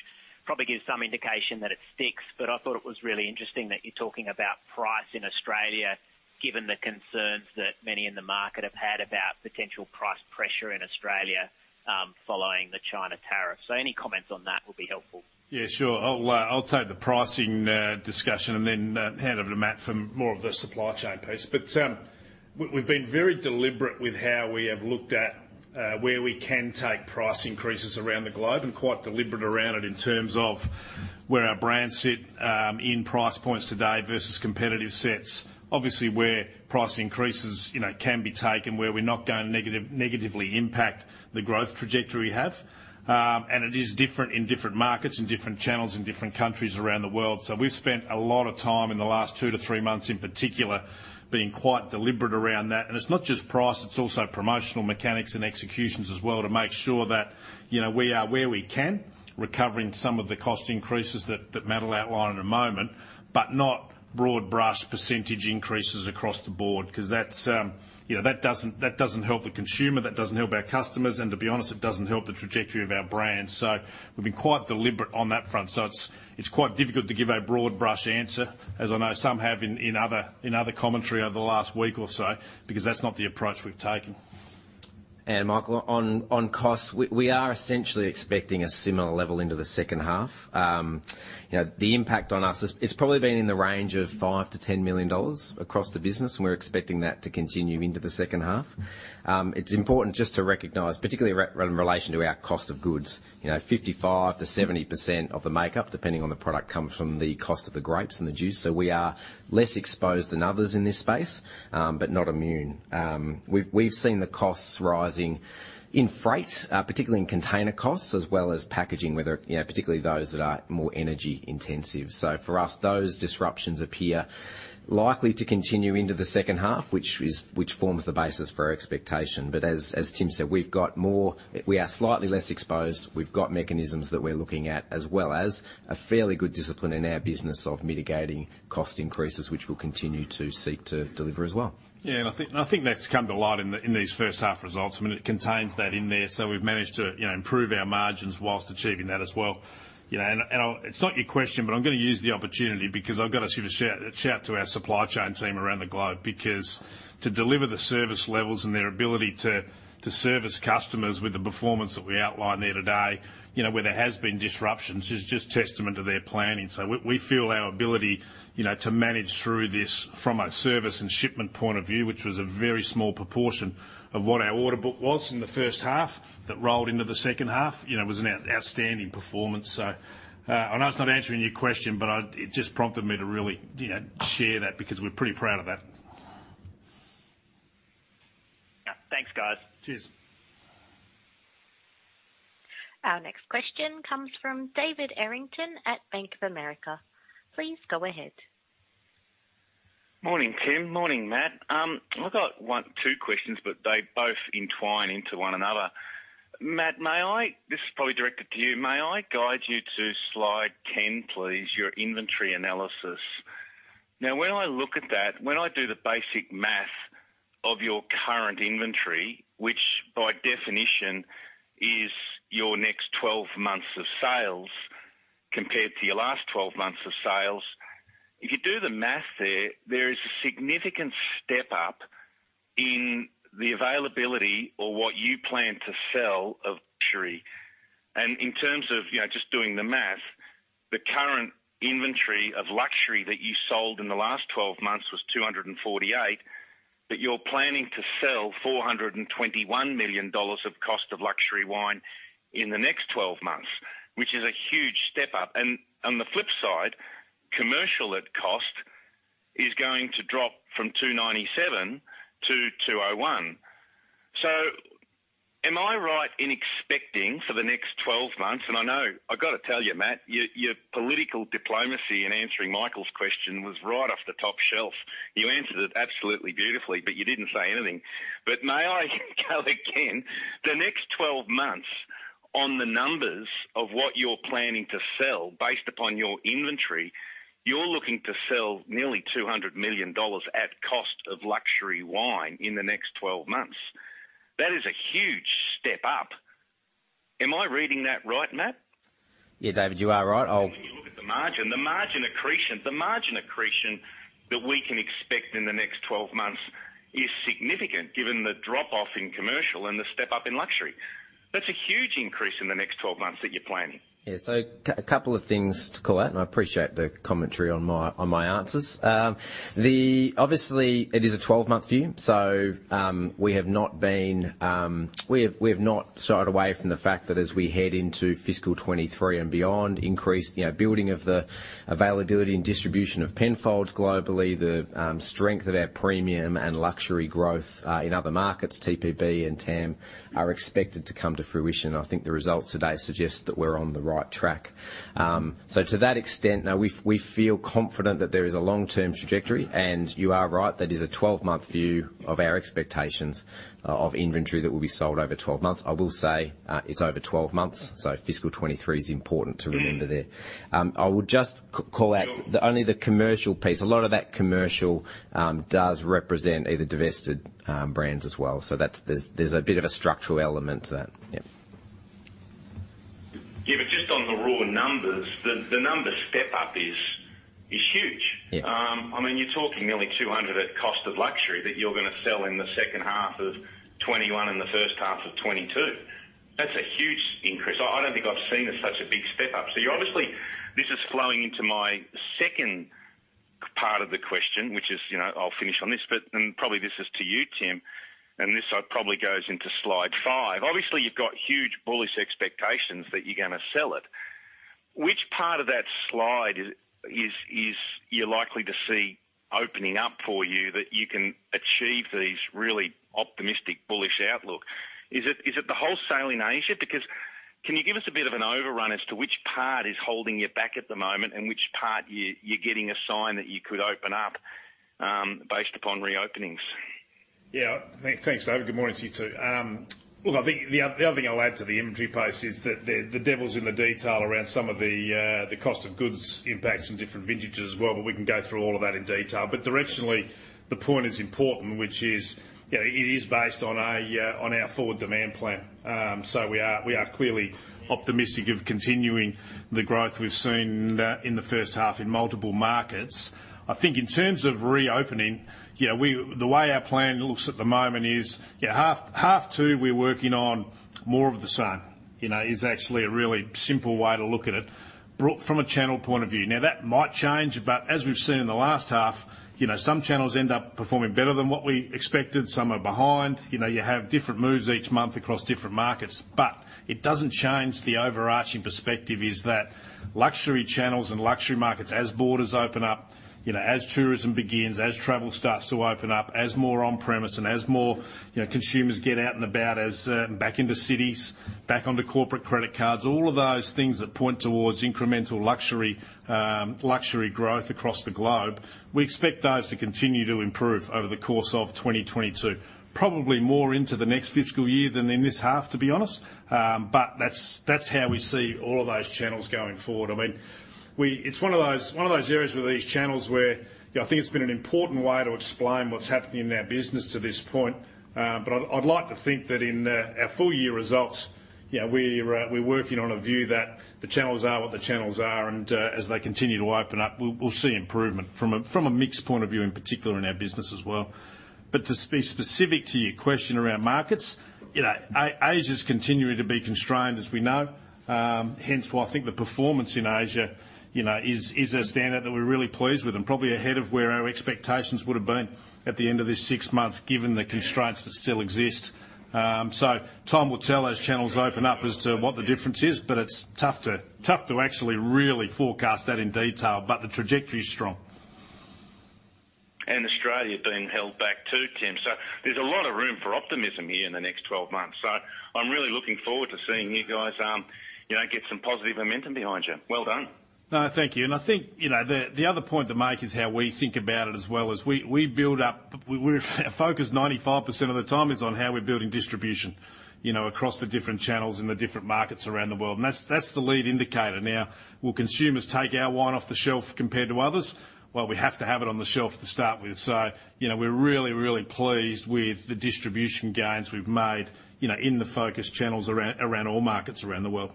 probably gives some indication that it sticks. But I thought it was really interesting that you're talking about price in Australia, given the concerns that many in the market have had about potential price pressure in Australia, following the China tariffs. Any comments on that would be helpful. Yeah, sure. I'll take the pricing discussion and then hand over to Matt for more of the supply chain piece. We've been very deliberate with how we have looked at where we can take price increases around the globe, and quite deliberate around it in terms of where our brands sit in price points today versus competitive sets. Obviously, where price increases, you know, can be taken, where we're not gonna negatively impact the growth trajectory we have. It is different in different markets, in different channels, in different countries around the world. We've spent a lot of time in the last 2-3 months in particular being quite deliberate around that. It's not just price, it's also promotional mechanics and executions as well to make sure that, you know, we are, where we can, recovering some of the cost increases that Matt will outline in a moment, but not broad brush percentage increases across the board, 'cause that's, you know, that doesn't help the consumer, that doesn't help our customers, and to be honest, it doesn't help the trajectory of our brand. We've been quite deliberate on that front. It's quite difficult to give a broad brush answer, as I know some have in other commentary over the last week or so, because that's not the approach we've taken. Michael, on costs, we are essentially expecting a similar level into the second half. You know, the impact on us is. It's probably been in the range of 5 million-10 million dollars across the business, and we're expecting that to continue into the second half. It's important just to recognize, particularly in relation to our cost of goods. You know, 55%-70% of the makeup, depending on the product, comes from the cost of the grapes and the juice. We are less exposed than others in this space, but not immune. We've seen the costs rising in freight, particularly in container costs, as well as packaging, you know, particularly those that are more energy intensive. For us, those disruptions appear likely to continue into the second half, which forms the basis for our expectation. As Tim said, we are slightly less exposed. We've got mechanisms that we're looking at, as well as a fairly good discipline in our business of mitigating cost increases, which we'll continue to seek to deliver as well. Yeah. I think that's come to light in these first half results. I mean, it contains that in there. We've managed to, you know, improve our margins while achieving that as well. You know. It's not your question, but I'm gonna use the opportunity because I've got to give a shout to our supply chain team around the globe. Because to deliver the service levels and their ability to service customers with the performance that we outlined there today, you know, where there has been disruptions, is just testament to their planning. We feel our ability, you know, to manage through this from a service and shipment point of view, which was a very small proportion of what our order book was in the first half that rolled into the second half, you know, was an outstanding performance. I know it's not answering your question, but it just prompted me to really, you know, share that because we're pretty proud of that. Yeah. Thanks, guys. Cheers. Our next question comes from David Errington at Bank of America. Please go ahead. Morning, Tim. Morning, Matt. I've got one, two questions, but they both entwine into one another. Matt, may I... This is probably directed to you. May I guide you to slide 10, please, your inventory analysis. Now, when I look at that, when I do the basic math of your current inventory, which by definition is your next 12 months of sales compared to your last 12 months of sales, if you do the math there is a significant step up in the availability or what you plan to sell of luxury. In terms of, you know, just doing the math, the current inventory of luxury that you sold in the last 12 months was 248 million, but you're planning to sell 421 million dollars of cost of luxury wine in the next 12 months, which is a huge step up. On the flip side, commercial at cost is going to drop from 297 to 201. Am I right in expecting for the next 12 months, and I know, I've got to tell you, Matt, your political diplomacy in answering Michael's question was right off the top shelf. You answered it absolutely beautifully, but you didn't say anything. May I go again? The next 12 months on the numbers of what you're planning to sell based upon your inventory, you're looking to sell nearly 200 million dollars at cost of luxury wine in the next 12 months. That is a huge step up. Am I reading that right, Matt? Yeah, David, you are right. When you look at the margin, the margin accretion, the margin accretion that we can expect in the next 12 months is significant given the drop off in commercial and the step up in luxury. That's a huge increase in the next 12 months that you're planning. Yeah. A couple of things to call out, and I appreciate the commentary on my answers. Obviously, it is a 12-month view. We have not shied away from the fact that as we head into fiscal 2023 and beyond increasing, you know, building of the availability and distribution of Penfolds globally, the strength of our premium and luxury growth in other markets, TPB and TAM, are expected to come to fruition. I think the results today suggest that we're on the right track. To that extent, no, we feel confident that there is a long-term trajectory, and you are right, that is a 12-month view of our expectations of inventory that will be sold over 12 months. I will say, it's over 12 months, so fiscal 2023 is important to remember there. I would just call out. No. Only the commercial piece. A lot of that commercial does represent either divested brands as well. There's a bit of a structural element to that. Yeah. Yeah, just on the raw numbers, the number step-up is huge. Yeah. I mean, you're talking nearly 200 at cost of luxury that you're gonna sell in the second half of 2021 and the first half of 2022. That's a huge increase. I don't think I've seen such a big step up. You obviously, this is flowing into my second part of the question, which is, you know, I'll finish on this, but then probably this is to you, Tim, and this probably goes into slide five. Obviously, you've got huge bullish expectations that you're gonna sell it. Which part of that slide is that you're likely to see opening up for you that you can achieve these really optimistic bullish outlook? Is it the wholesale in Asia? Because can you give us a bit of an overview as to which part is holding you back at the moment and which part you're seeing signs that you could open up, based upon reopenings? Yeah. Thanks, David. Good morning to you, too. Look, I think the other thing I'll add to the inventory post is that the devil is in the detail around some of the cost of goods impacts from different vintages as well, but we can go through all of that in detail. Directionally, the point is important, which is, you know, it is based on our forward demand plan. We are clearly optimistic of continuing the growth we've seen in the first half in multiple markets. I think in terms of reopening, you know, the way our plan looks at the moment is half two, we're working on more of the same, you know, is actually a really simple way to look at it. From a channel point of view. Now, that might change, but as we've seen in the last half, you know, some channels end up performing better than what we expected, some are behind. You know, you have different moves each month across different markets. But it doesn't change. The overarching perspective is that luxury channels and luxury markets as borders open up, you know, as tourism begins, as travel starts to open up, as more on-premise, and as more, you know, consumers get out and about, as back into cities, back onto corporate credit cards, all of those things that point towards incremental luxury growth across the globe. We expect those to continue to improve over the course of 2022, probably more into the next fiscal year than in this half, to be honest. That's how we see all of those channels going forward. I mean, it's one of those areas with these channels where, you know, I think it's been an important way to explain what's happening in our business to this point. But I'd like to think that in our full year results, you know, we're working on a view that the channels are what the channels are, and as they continue to open up, we'll see improvement from a mix point of view, in particular in our business as well. To be specific to your question around markets, you know, Asia is continuing to be constrained as we know, hence why I think the performance in Asia, you know, is a standout that we're really pleased with and probably ahead of where our expectations would have been at the end of this six months, given the constraints that still exist. Time will tell as channels open up as to what the difference is, but it's tough to actually really forecast that in detail. The trajectory is strong. Australia being held back, too, Tim. There's a lot of room for optimism here in the next 12 months. I'm really looking forward to seeing you guys, you know, get some positive momentum behind you. Well done. No, thank you. I think, you know, the other point to make is how we think about it as well. Our focus 95% of the time is on how we're building distribution, you know, across the different channels and the different markets around the world. That's the lead indicator. Now, will consumers take our wine off the shelf compared to others? Well, we have to have it on the shelf to start with. You know, we're really pleased with the distribution gains we've made, you know, in the focus channels around all markets around the world.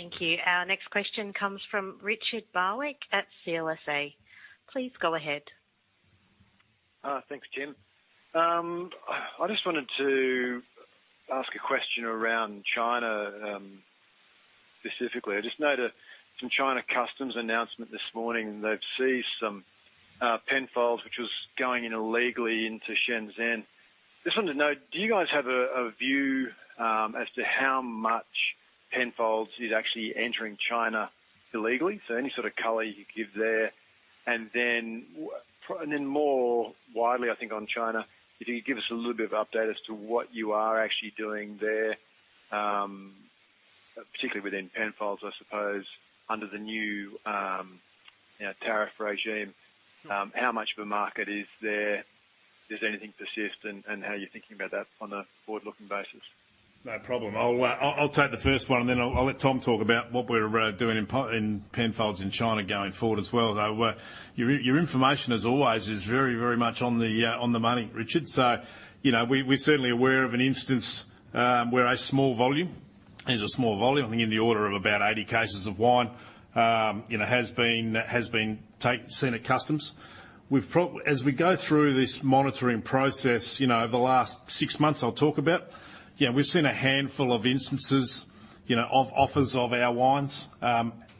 Thank you. Our next question comes from Richard Barwick at CLSA. Please go ahead. Thanks, Tim. I just wanted to ask a question around China, specifically. I just noted some China customs announcement this morning. They've seized some Penfolds, which was going illegally into Shenzhen. Just wanted to know, do you guys have a view as to how much Penfolds is actually entering China illegally? So any sort of color you could give there. And then more widely, I think on China, if you could give us a little bit of update as to what you are actually doing there, particularly within Penfolds, I suppose, under the new, you know, tariff regime, how much of a market is there? Does anything persist? And how are you thinking about that on a forward-looking basis? No problem. I'll take the first one, and then I'll let Tom talk about what we're doing in Penfolds in China going forward as well. Though, your information, as always, is very, very much on the money, Richard. You know, we're certainly aware of an instance where a small volume, I think in the order of about 80 cases of wine, you know, has been seen at customs. As we go through this monitoring process, you know, over the last six months, I'll talk about, you know, we've seen a handful of instances, you know, of offers of our wines,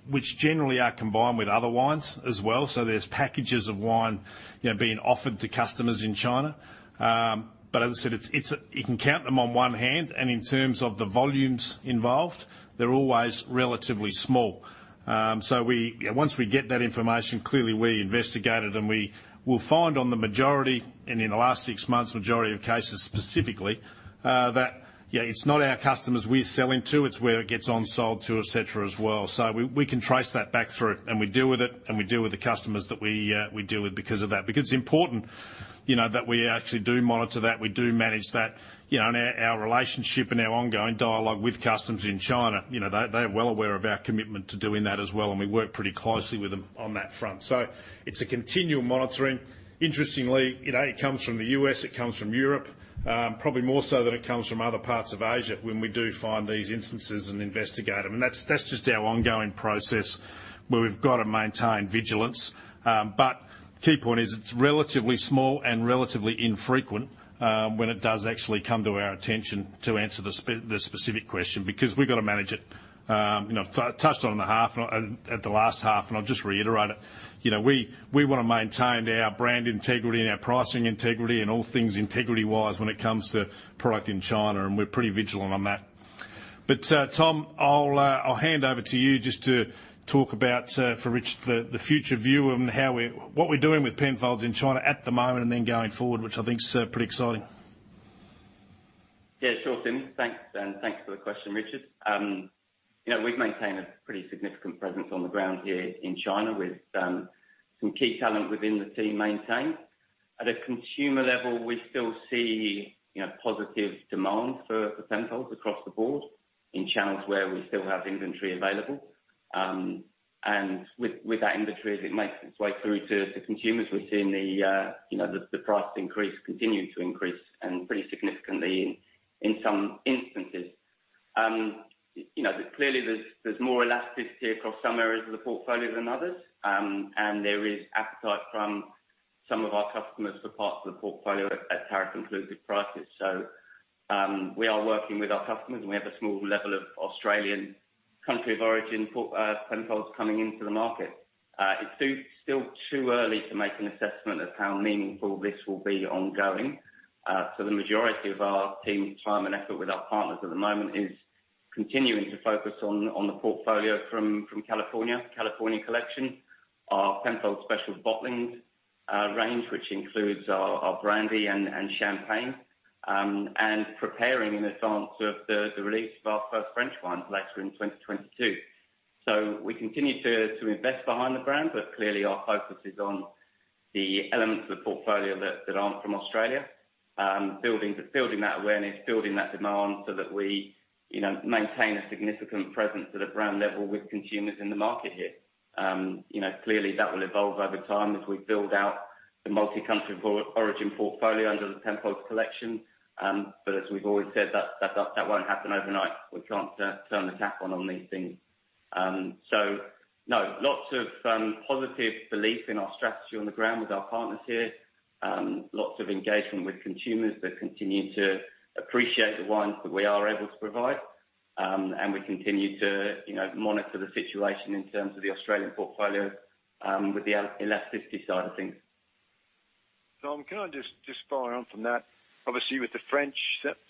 which generally are combined with other wines as well. There's packages of wine, you know, being offered to customers in China. As I said, you can count them on one hand. In terms of the volumes involved, they're always relatively small. We, you know, once we get that information, clearly we investigate it, and we will find in the majority, and in the last six months, majority of cases specifically, that, you know, it's not our customers we're selling to, it's where it gets on-sold to, et cetera, as well. We can trace that back through, and we deal with it, and we deal with the customers that we deal with because of that. Because it's important, you know, that we actually do monitor that, we do manage that, you know, and our relationship and our ongoing dialogue with Customs in China. You know, they're well aware of our commitment to doing that as well, and we work pretty closely with them on that front. It's a continual monitoring. Interestingly, you know, it comes from the U.S., it comes from Europe, probably more so than it comes from other parts of Asia when we do find these instances and investigate them. That's just our ongoing process. Where we've got to maintain vigilance. Key point is it's relatively small and relatively infrequent when it does actually come to our attention to answer the specific question, because we've got to manage it. You know, I touched on it in the half, at the last half, and I'll just reiterate it. You know, we want to maintain our brand integrity and our pricing integrity and all things integrity-wise when it comes to product in China, and we're pretty vigilant on that. Tom, I'll hand over to you just to talk about for Rich the future view on what we're doing with Penfolds in China at the moment and then going forward, which I think is pretty exciting. Yeah, sure, Tim. Thanks. Thanks for the question, Richard. We've maintained a pretty significant presence on the ground here in China with some key talent within the team maintained. At a consumer level, we still see positive demand for Penfolds across the board in channels where we still have inventory available. With that inventory, as it makes its way through to consumers, we're seeing the price increase continue to increase, and pretty significantly in some instances. Clearly there's more elasticity across some areas of the portfolio than others. There is appetite from some of our customers for parts of the portfolio at tariff-inclusive prices. We are working with our customers, and we have a small level of Australian country of origin port Penfolds coming into the market. It's still too early to make an assessment of how meaningful this will be ongoing. The majority of our team's time and effort with our partners at the moment is continuing to focus on the portfolio from California Collection, our Penfolds Special Bottlings range, which includes our brandy and champagne, and preparing in advance of the release of our first French wine later in 2022. We continue to invest behind the brand, but clearly our focus is on the elements of the portfolio that aren't from Australia. Building that awareness, building that demand so that we, you know, maintain a significant presence at a brand level with consumers in the market here. You know, clearly that will evolve over time as we build out the multi-country origin portfolio under the Penfolds Collection. But as we've always said, that won't happen overnight. We can't turn the tap on these things. So no, lots of positive belief in our strategy on the ground with our partners here. Lots of engagement with consumers that continue to appreciate the wines that we are able to provide. And we continue to, you know, monitor the situation in terms of the Australian portfolio with the elasticity side of things. Tom, can I just follow on from that? Obviously, with the French,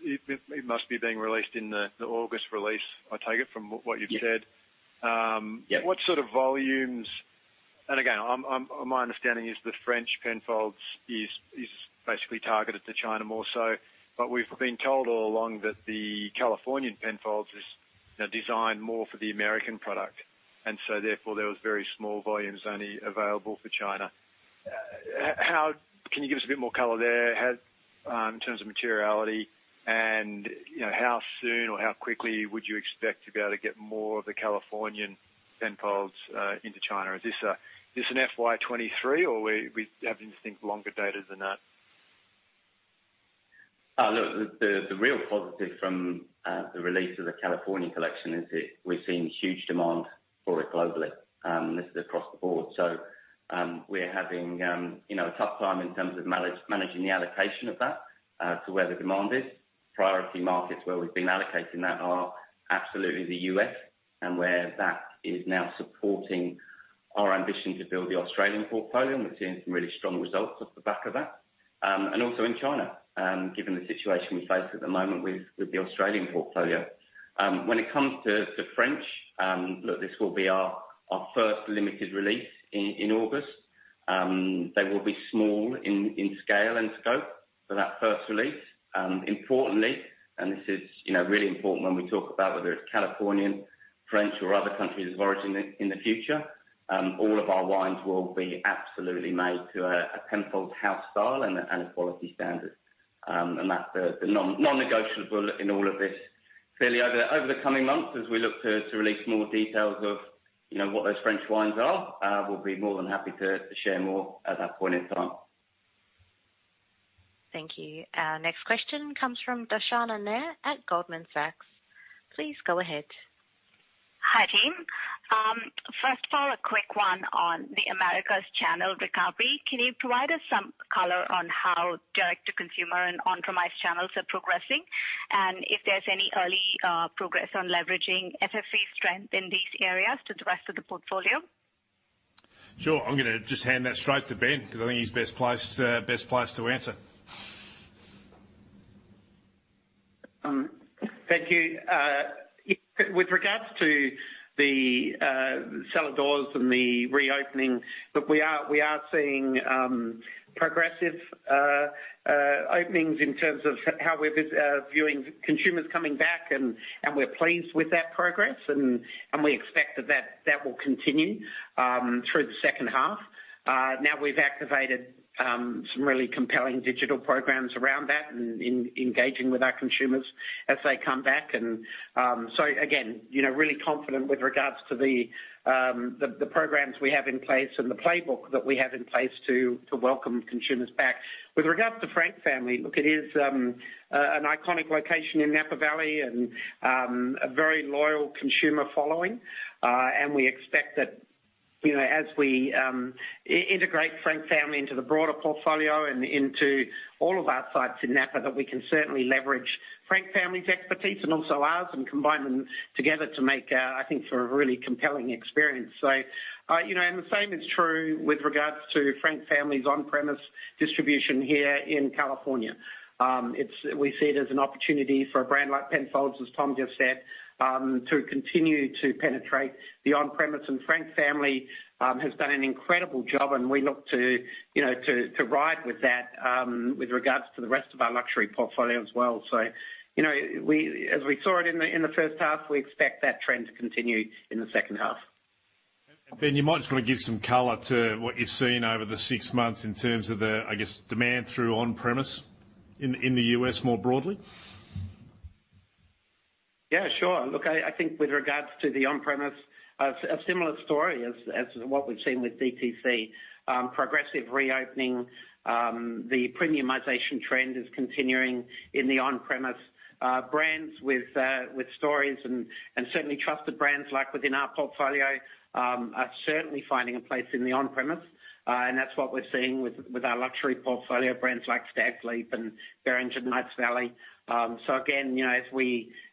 it must be being released in the August release, I take it, from what you've said. Yes. Yeah. What sort of volumes? Again, my understanding is the French Penfolds is basically targeted to China more so, but we've been told all along that the Californian Penfolds is, you know, designed more for the American product, and so therefore, there was very small volumes only available for China. How can you give us a bit more color there in terms of materiality and, you know, how soon or how quickly would you expect to be able to get more of the Californian Penfolds into China? Is this an FY 2023 or we have to think longer dated than that? Look, the real positive from the release of the California Collection is we've seen huge demand for it globally. This is across the board. We're having you know a tough time in terms of managing the allocation of that to where the demand is. Priority markets where we've been allocating that are absolutely the U.S., and where that is now supporting our ambition to build the Australian portfolio, and we're seeing some really strong results off the back of that. Also in China, given the situation we face at the moment with the Australian portfolio. When it comes to France, look, this will be our first limited release in August. They will be small in scale and scope for that first release. Importantly, this is, you know, really important when we talk about whether it's Californian, French or other countries of origin in the future, all of our wines will be absolutely made to a Penfolds house style and a quality standard. That's the non-negotiable in all of this. Clearly, over the coming months, as we look to release more details of, you know, what those French wines are, we'll be more than happy to share more at that point in time. Thank you. Our next question comes from Darshana Nair at Goldman Sachs. Please go ahead. Hi, team. First of all, a quick one on the Americas channel recovery. Can you provide us some color on how direct to consumer and on-premise channels are progressing? If there's any early progress on leveraging FFV strength in these areas to the rest of the portfolio? Sure. I'm gonna just hand that straight to Ben because I think he's best placed to answer. Thank you. With regards to the cellar doors and the reopening, look, we are seeing progressive openings in terms of how we're viewing consumers coming back, and we're pleased with that progress. We expect that will continue through the second half. Now we've activated some really compelling digital programs around that and engaging with our consumers as they come back. So again, you know, really confident with regards to the programs we have in place and the playbook that we have in place to welcome consumers back. With regards to Frank Family, look, it is an iconic location in Napa Valley and a very loyal consumer following. We expect that. You know, as we integrate Frank Family into the broader portfolio and into all of our sites in Napa, that we can certainly leverage Frank Family's expertise and also ours and combine them together to make, I think, for a really compelling experience. You know, the same is true with regards to Frank Family's on-premise distribution here in California. It is. We see it as an opportunity for a brand like Penfolds, as Tom just said, to continue to penetrate the on-premise. Frank Family has done an incredible job, and we look to you know to ride with that with regards to the rest of our luxury portfolio as well. You know, we, as we saw it in the first half, we expect that trend to continue in the second half. Ben, you might just wanna give some color to what you're seeing over the six months in terms of the, I guess, demand through on-premise in the U.S. more broadly. Yeah, sure. Look, I think with regards to the on-premise, a similar story as what we've seen with DTC. Progressive reopening, the premiumization trend is continuing in the on-premise. Brands with stories and certainly trusted brands like within our portfolio are certainly finding a place in the on-premise. That's what we're seeing with our luxury portfolio brands like Stags' Leap and Beringer and Knights Valley. Again, you know,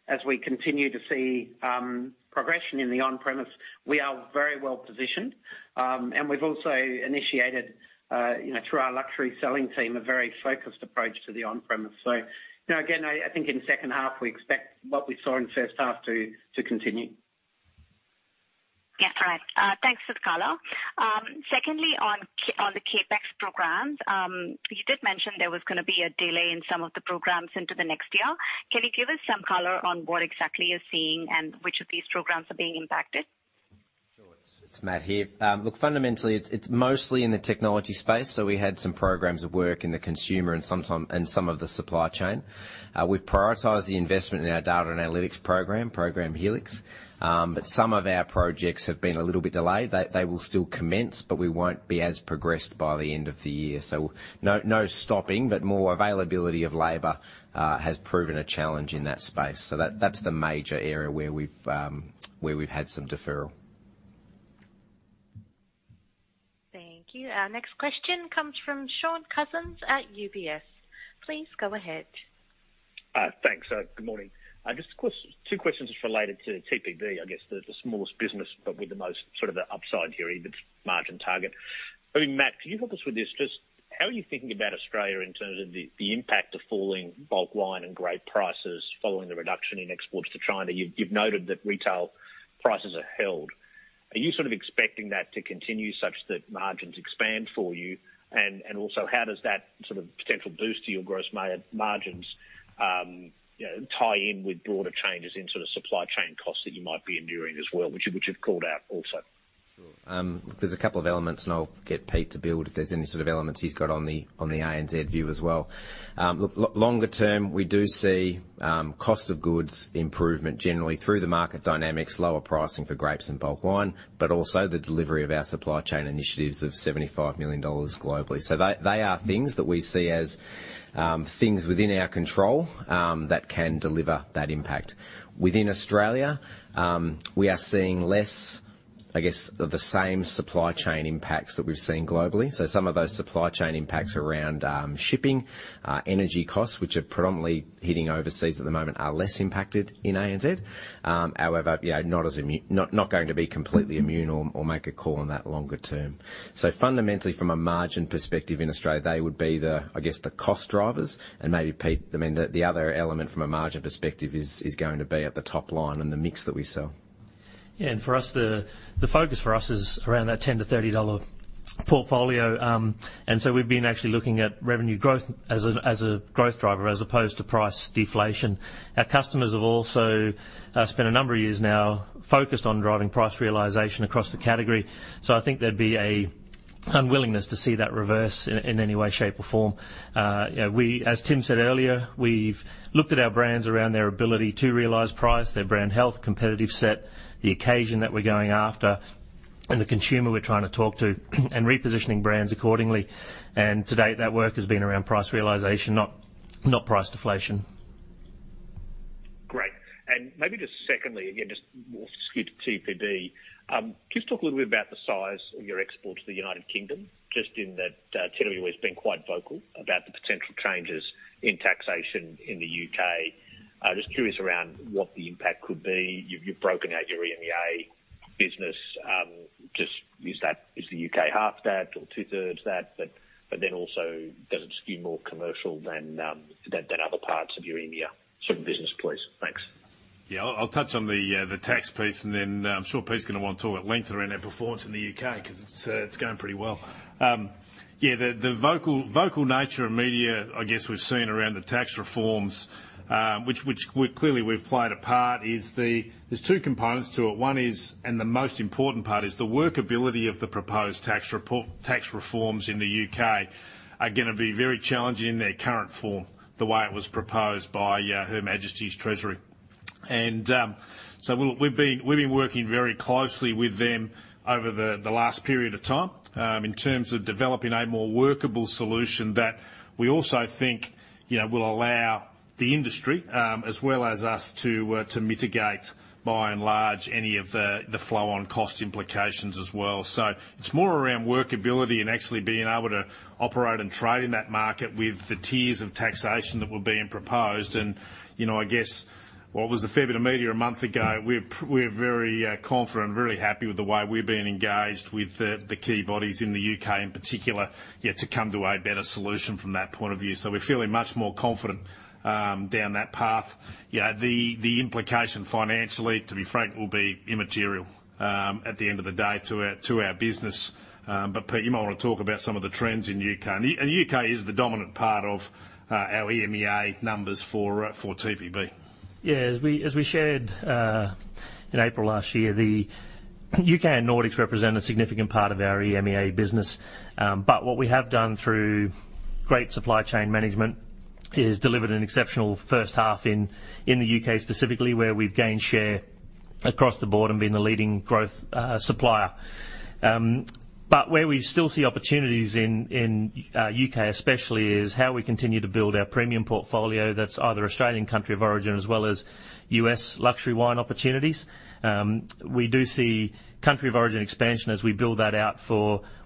as we continue to see progression in the on-premise, we are very well positioned. We've also initiated, you know, through our luxury selling team, a very focused approach to the on-premise. You know, again, I think in the second half, we expect what we saw in the first half to continue. Yeah. All right. Thanks for the color. Secondly, on the CapEx programs. You did mention there was gonna be a delay in some of the programs into the next year. Can you give us some color on what exactly you're seeing and which of these programs are being impacted? Sure. It's Matt here. Look, fundamentally it's mostly in the technology space. We had some programs of work in the consumer and some of the supply chain. We've prioritized the investment in our data and analytics program, Program Helix. Some of our projects have been a little bit delayed. They will still commence, but we won't be as progressed by the end of the year. No stopping, but more availability of labor has proven a challenge in that space. That's the major area where we've had some deferral. Thank you. Our next question comes from Shaun Cousins at UBS. Please go ahead. Thanks. Good morning. Just of course, two questions just related to TPB. I guess the smallest business, but with the most sort of upside here in its margin target. I mean, Matt, can you help us with this? Just how are you thinking about Australia in terms of the impact of falling bulk wine and grape prices following the reduction in exports to China? You've noted that retail prices are held. Are you sort of expecting that to continue such that margins expand for you? And also how does that sort of potential boost to your gross margins, you know, tie in with broader changes in sort of supply chain costs that you might be enduring as well, which you've called out also? Sure. Look, there's a couple of elements, and I'll get Pete to build if there's any sort of elements he's got on the ANZ view as well. Look, longer term, we do see cost of goods improvement generally through the market dynamics, lower pricing for grapes and bulk wine. Also the delivery of our supply chain initiatives of 75 million dollars globally. They are things that we see as things within our control that can deliver that impact. Within Australia, we are seeing less, I guess, the same supply chain impacts that we've seen globally. Some of those supply chain impacts around shipping, energy costs, which are predominantly hitting overseas at the moment, are less impacted in ANZ. However, yeah, not going to be completely immune or make a call on that longer term. Fundamentally from a margin perspective in Australia, they would be the, I guess, the cost drivers. Maybe Pete, I mean, the other element from a margin perspective is going to be at the top line and the mix that we sell. For us, the focus for us is around that $10-$30 portfolio. We've been actually looking at revenue growth as a growth driver as opposed to price deflation. Our customers have also spent a number of years now focused on driving price realization across the category. I think there'd be a unwillingness to see that reverse in any way, shape, or form. As Tim said earlier, we've looked at our brands around their ability to realize price, their brand health, competitive set, the occasion that we're going after, and the consumer we're trying to talk to, and repositioning brands accordingly. To date, that work has been around price realization, not price deflation. Great. Maybe just secondly, again, just more skewed to TPB. Can you just talk a little bit about the size of your export to the United Kingdom, just in that, TWE's been quite vocal about the potential changes in taxation in the U.K. Just curious around what the impact could be. You've broken out your EMEA business. Just is that, is the U.K. half that or two-thirds that? But then also does it skew more commercial than other parts of your EMEA sort of business, please? Thanks. Yeah. I'll touch on the tax piece, and then I'm sure Pete's gonna want to talk at length around our performance in the U.K. 'cause it's going pretty well. Yeah, the vocal nature of media, I guess we've seen around the tax reforms, which we've clearly played a part. There's two components to it. One is, and the most important part is the workability of the proposed tax reforms in the U.K. are gonna be very challenging in their current form, the way it was proposed by His Majesty's Treasury. Look, we've been working very closely with them over the last period of time in terms of developing a more workable solution that we also think, you know, will allow the industry, as well as us to mitigate, by and large, any of the flow on cost implications as well. It's more around workability and actually being able to operate and trade in that market with the tiers of taxation that were being proposed. You know, I guess what was a fair bit of media a month ago, we're very confident, really happy with the way we're being engaged with the key bodies in the U.K. in particular, yeah, to come to a better solution from that point of view. We're feeling much more confident down that path. Yeah, the implication financially, to be frank, will be immaterial, at the end of the day to our business. Peter, you might wanna talk about some of the trends in U.K. U.K. is the dominant part of our EMEA numbers for TPB. Yeah. As we shared in April last year, the U.K. and Nordics represent a significant part of our EMEA business. What we have done through great supply chain management is delivered an exceptional first half in the U.K. specifically, where we've gained share across the board and been the leading growth supplier. Where we still see opportunities in the U.K. especially is how we continue to build our premium portfolio that's either Australian country of origin as well as U.S. luxury wine opportunities. We do see country of origin expansion as we build that out.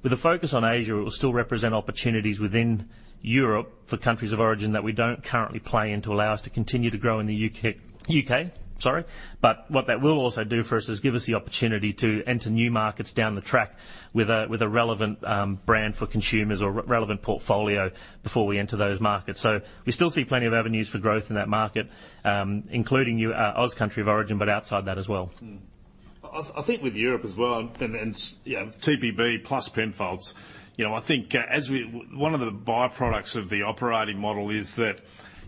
With a focus on Asia, it will still represent opportunities within Europe for countries of origin that we don't currently play in to allow us to continue to grow in the U.K., sorry. What that will also do for us is give us the opportunity to enter new markets down the track with a relevant brand for consumers or relevant portfolio before we enter those markets. We still see plenty of avenues for growth in that market, including Australian country of origin, but outside that as well. I think with Europe as well and, you know, TPB plus Penfolds, you know, I think, One of the byproducts of the operating model is that,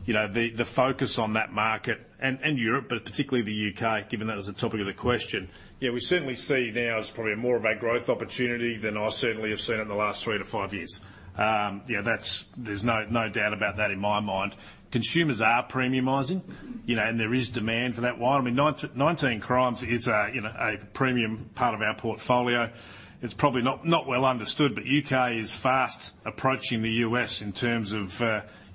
you know, the focus on that market, and Europe, but particularly the U.K., given that was the topic of the question, you know, we certainly see now as probably more of a growth opportunity than I certainly have seen in the last 3-5 years. Yeah, that's. There's no doubt about that in my mind. Consumers are premiumizing, you know, and there is demand for that wine. I mean, 19 Crimes is, you know, a premium part of our portfolio. It's probably not well understood, but U.K. is fast approaching the U.S. in terms of,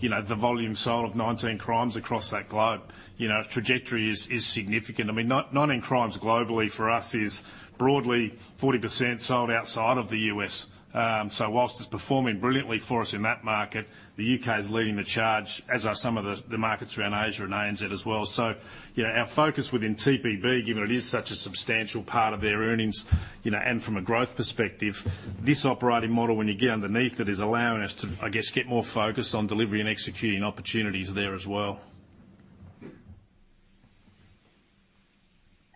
you know, the volume sold of 19 Crimes across the globe. You know, its trajectory is significant. I mean, 19 Crimes globally for us is broadly 40% sold outside of the U.S. While it's performing brilliantly for us in that market, the U.K. is leading the charge, as are some of the markets around Asia and ANZ as well. You know, our focus within TPB, given it is such a substantial part of their earnings, you know, and from a growth perspective, this operating model, when you get underneath it, is allowing us to, I guess, get more focus on delivery and executing opportunities there as well.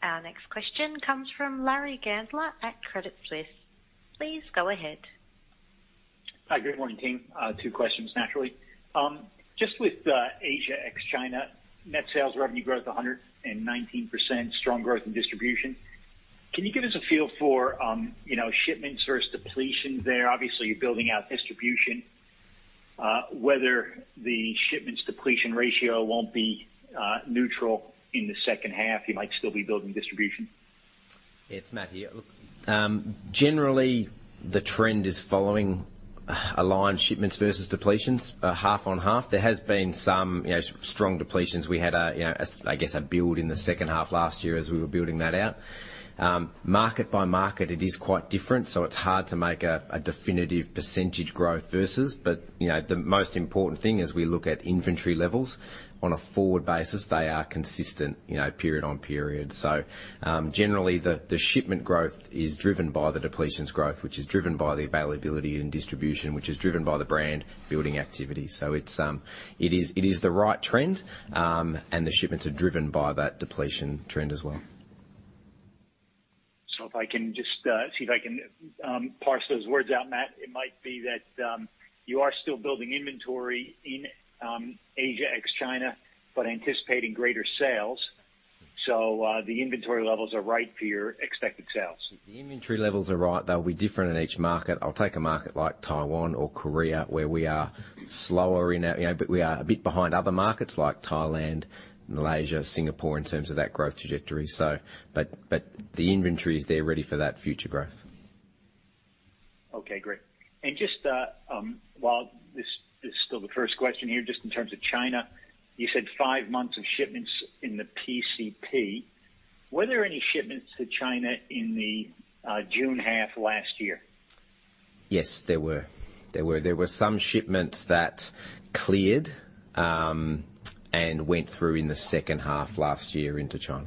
Our next question comes from Larry Gandler at Credit Suisse. Please go ahead. Hi. Good morning, team. Two questions, naturally. Just with Asia ex China, net sales revenue growth 119%, strong growth in distribution. Can you give us a feel for shipments versus depletions there? You know, obviously, you're building out distribution. Whether the shipments depletion ratio won't be neutral in the second half. You might still be building distribution. It's Matt here. Look, generally the trend is following aligned shipments versus depletions, half on half. There has been some, you know, strong depletions. We had a, you know, as I guess a build in the second half last year as we were building that out. Market by market, it is quite different, so it's hard to make a definitive percentage growth versus. You know, the most important thing as we look at inventory levels on a forward basis, they are consistent, you know, period on period. Generally the shipment growth is driven by the depletions growth, which is driven by the availability and distribution, which is driven by the brand building activity. It's the right trend, and the shipments are driven by that depletion trend as well. If I can just parse those words out, Matt. It might be that you are still building inventory in Asia ex China, but anticipating greater sales. The inventory levels are right for your expected sales. The inventory levels are right. They'll be different in each market. I'll take a market like Taiwan or Korea where we are slower, you know, but we are a bit behind other markets like Thailand, Malaysia, Singapore, in terms of that growth trajectory. The inventory is there ready for that future growth. Okay, great. Just while this is still the first question here, just in terms of China, you said five months of shipments in the PCP. Were there any shipments to China in the June half last year? Yes, there were some shipments that cleared and went through in the second half last year into China.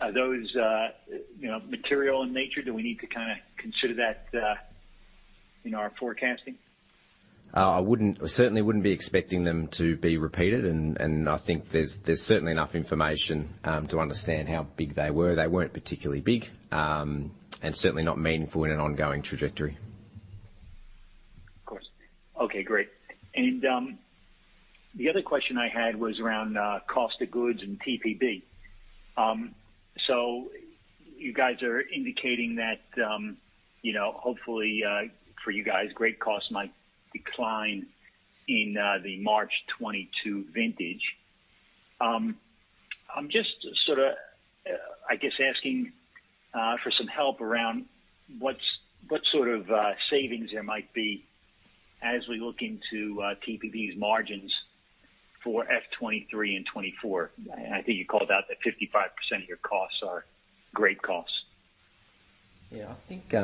Are those, you know, material in nature? Do we need to kinda consider that in our forecasting? I wouldn't. I certainly wouldn't be expecting them to be repeated, and I think there's certainly enough information to understand how big they were. They weren't particularly big, and certainly not meaningful in an ongoing trajectory. Of course. Okay, great. The other question I had was around cost of goods and TPB. You guys are indicating that, you know, hopefully, for you guys, grape costs might decline in the March 2022 vintage. I'm just sort of, I guess, asking for some help around what sort of savings there might be as we look into TWE's margins for FY 2023 and 2024. I think you called out that 55% of your costs are grape costs. Yeah. I think,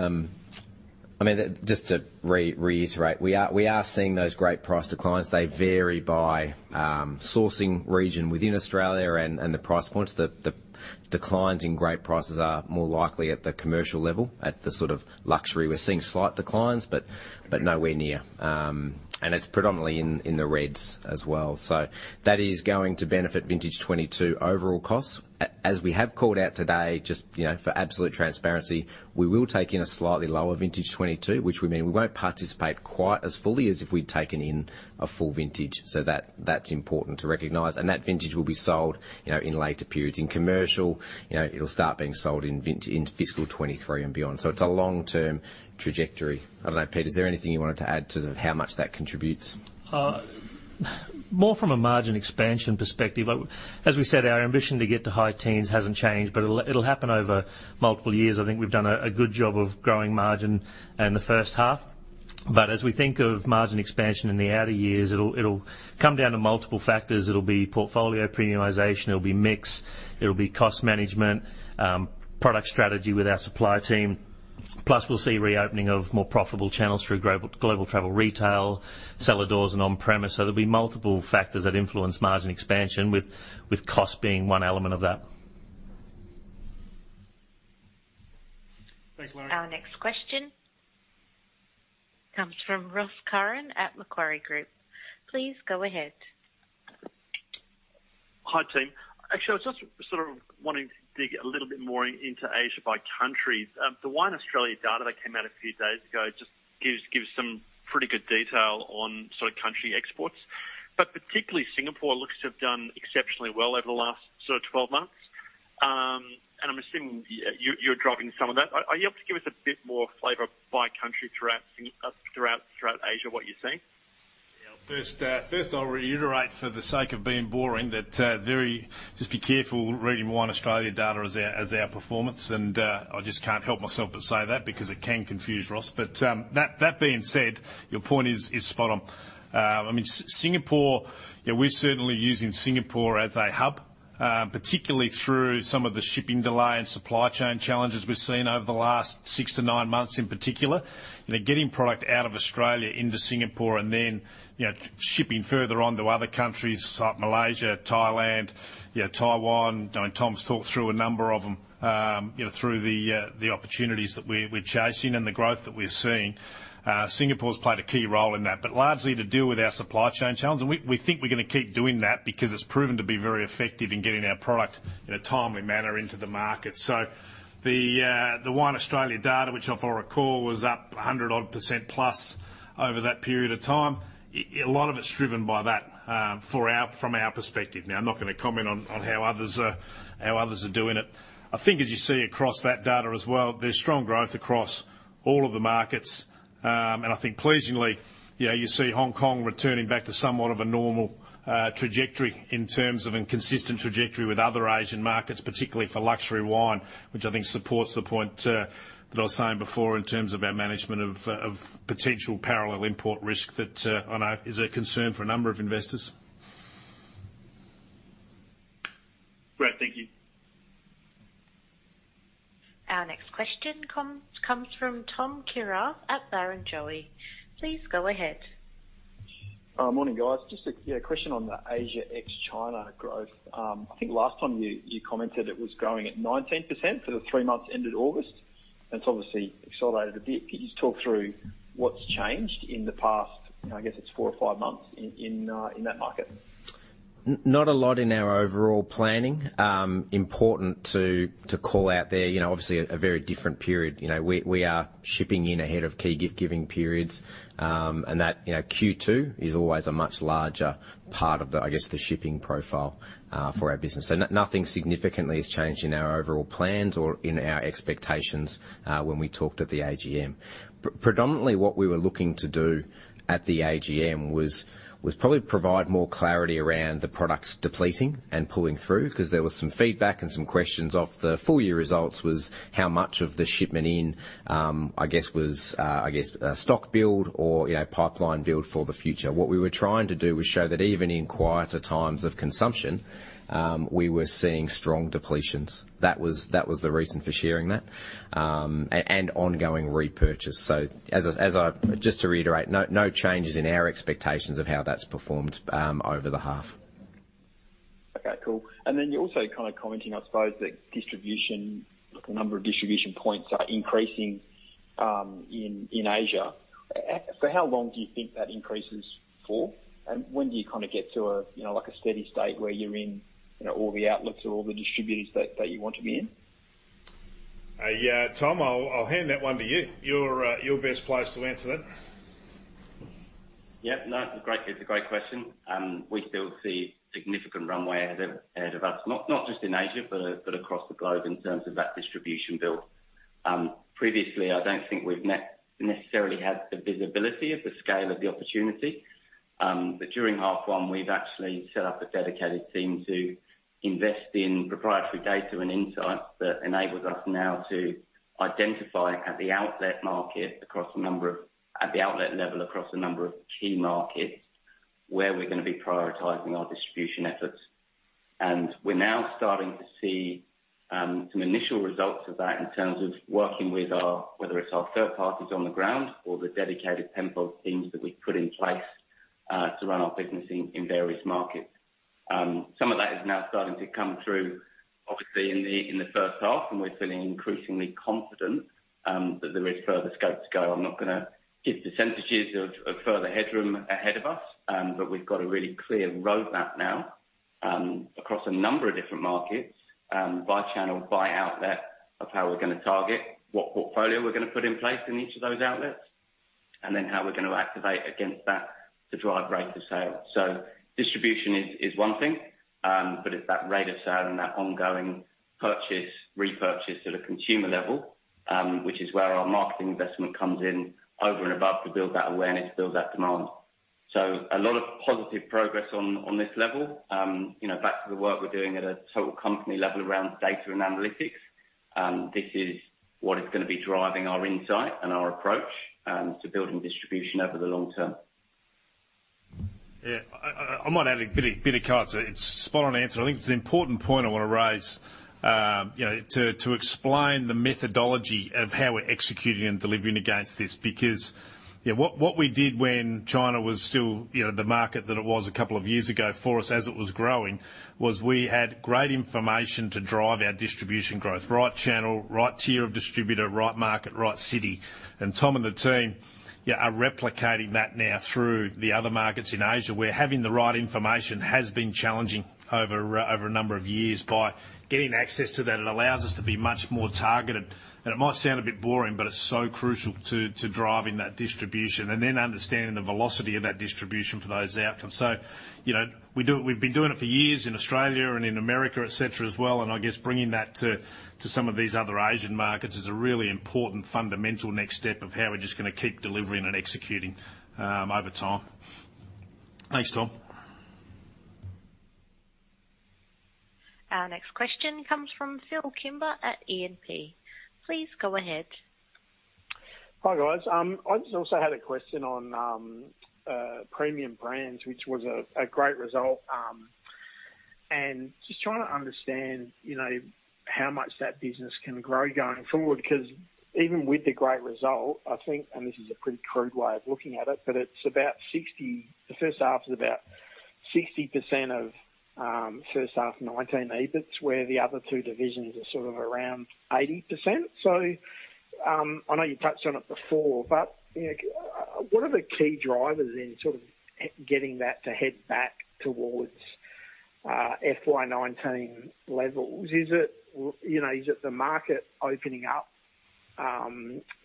I mean, just to reiterate, we are seeing those grape price declines. They vary by sourcing region within Australia and the price points. The declines in grape prices are more likely at the commercial level, at the sort of luxury. We are seeing slight declines, but nowhere near, and it is predominantly in the reds as well. That is going to benefit vintage 2022 overall costs. As we have called out today, just, you know, for absolute transparency, we will take in a slightly lower vintage 2022, which would mean we will not participate quite as fully as if we had taken in a full vintage. That is important to recognize. That vintage will be sold, you know, in later periods. In commercial, you know, it will start being sold in fiscal 2023 and beyond. It's a long-term trajectory. I don't know, Pete, is there anything you wanted to add to how much that contributes? More from a margin expansion perspective. As we said, our ambition to get to high teens hasn't changed, but it'll happen over multiple years. I think we've done a good job of growing margin in the first half. As we think of margin expansion in the outer years, it'll come down to multiple factors. It'll be portfolio premiumization, it'll be mix, it'll be cost management, product strategy with our supply team. Plus, we'll see reopening of more profitable channels through global travel retail, cellar doors, and on-premise. There'll be multiple factors that influence margin expansion, with cost being one element of that. Thanks, Larry. Our next question comes from Ross Curran at Macquarie Group. Please go ahead. Hi, team. Actually, I was just sort of wanting to dig a little bit more in, into Asia by country. The Wine Australia data that came out a few days ago just gives some pretty good detail on sort of country exports, but particularly Singapore looks to have done exceptionally well over the last sort of 12 months. I'm assuming you're driving some of that. Are you able to give us a bit more flavor by country throughout Asia what you're seeing? First, I'll reiterate for the sake of being boring that just be careful reading Wine Australia data as our performance. I just can't help myself but say that because it can confuse, Ross. That being said, your point is spot on. I mean, Singapore, yeah, we're certainly using Singapore as a hub, particularly through some of the shipping delay and supply chain challenges we've seen over the last 6-9 months in particular. You know, getting product out of Australia into Singapore and then, you know, shipping further on to other countries like Malaysia, Thailand, you know, Taiwan. You know, Tom's thought through a number of them, you know, through the opportunities that we're chasing and the growth that we're seeing. Singapore's played a key role in that, but largely to deal with our supply chain challenge. We think we're gonna keep doing that because it's proven to be very effective in getting our product in a timely manner into the market. Wine Australia data, which if I recall, was up 100-odd% plus over that period of time. A lot of it's driven by that, from our perspective. Now, I'm not gonna comment on how others are doing it. I think as you see across that data as well, there's strong growth across all of the markets. I think pleasingly, you know, you see Hong Kong returning back to somewhat of a normal trajectory in terms of a consistent trajectory with other Asian markets, particularly for luxury wine, which I think supports the point that I was saying before in terms of our management of potential parallel import risk that I know is a concern for a number of investors. Great. Thank you. Our next question comes from Tom Kierath at Barrenjoey. Please go ahead. Morning, guys. Just a, you know, question on the Asia ex-China growth. I think last time you commented it was growing at 19% for the three months ended August. That's obviously accelerated a bit. Can you just talk through what's changed in the past, I guess it's four or five months in that market? Not a lot in our overall planning. Important to call out there, you know, obviously a very different period. You know, we are shipping in ahead of key gift-giving periods. That, you know, Q2 is always a much larger part of the, I guess, the shipping profile for our business. Nothing significantly has changed in our overall plans or in our expectations when we talked at the AGM. Predominantly, what we were looking to do at the AGM was probably provide more clarity around the products depleting and pulling through, 'cause there was some feedback and some questions off the full year results was how much of the shipment in, I guess, was stock build or, you know, pipeline build for the future. What we were trying to do was show that even in quieter times of consumption, we were seeing strong depletions. That was the reason for sharing that, and ongoing repurchase. Just to reiterate, no changes in our expectations of how that's performed over the half. Okay. Cool. You're also kind of commenting, I suppose, that distribution, the number of distribution points are increasing in Asia. For how long do you think that increase is for? When do you kinda get to a you know like a steady state where you're in you know all the outlets or all the distributors that you want to be in? Yeah, Tom, I'll hand that one to you. You're best placed to answer that. No, it's a great question. We still see significant runway ahead of us. Not just in Asia, but across the globe in terms of that distribution build. Previously, I don't think we've necessarily had the visibility of the scale of the opportunity. During half one, we've actually set up a dedicated team to invest in proprietary data and insight that enables us now to identify at the outlet level across a number of key markets where we're gonna be prioritizing our distribution efforts. We're now starting to see some initial results of that in terms of working with our, whether it's our third parties on the ground or the dedicated Penfolds teams that we've put in place, to run our business in various markets. Some of that is now starting to come through, obviously, in the first half, and we're feeling increasingly confident that there is further scope to go. I'm not gonna give the percentages of further headroom ahead of us, but we've got a really clear roadmap now across a number of different markets, by channel, by outlet, of how we're gonna target, what portfolio we're gonna put in place in each of those outlets, and then how we're gonna activate against that to drive rate of sale. Distribution is one thing, but it's that rate of sale and that ongoing purchase, repurchase at a consumer level, which is where our marketing investment comes in over and above to build that awareness, build that demand. A lot of positive progress on this level. You know, back to the work we're doing at a total company level around data and analytics, this is what is gonna be driving our insight and our approach to building distribution over the long term. Yeah. I might add a bit of color. It's a spot on answer. I think it's an important point I wanna raise, you know, to explain the methodology of how we're executing and delivering against this. Because, you know, what we did when China was still, you know, the market that it was a couple of years ago for us as it was growing, was we had great information to drive our distribution growth. Right channel, right tier of distributor, right market, right city. Tom and the team are replicating that now through the other markets in Asia, where having the right information has been challenging over a number of years. By getting access to that, it allows us to be much more targeted. It might sound a bit boring, but it's so crucial to driving that distribution and then understanding the velocity of that distribution for those outcomes. You know, we do it. We've been doing it for years in Australia and in America, et cetera, as well, and I guess bringing that to some of these other Asian markets is a really important fundamental next step of how we're just gonna keep delivering and executing over time. Thanks, Tom. Our next question comes from Phil Kimber at E&P. Please go ahead. Hi, guys. I just also had a question on Premium Brands, which was a great result. Just trying to understand, you know, how much that business can grow going forward. 'Cause even with the great result, I think, and this is a pretty crude way of looking at it, but it's about 60%, the first half is about 60% of first half 2019 EBITs, where the other two divisions are sort of around 80%. I know you touched on it before, but, you know, what are the key drivers in sort of getting that to head back towards FY 2019 levels? Is it, you know, is it the market opening up,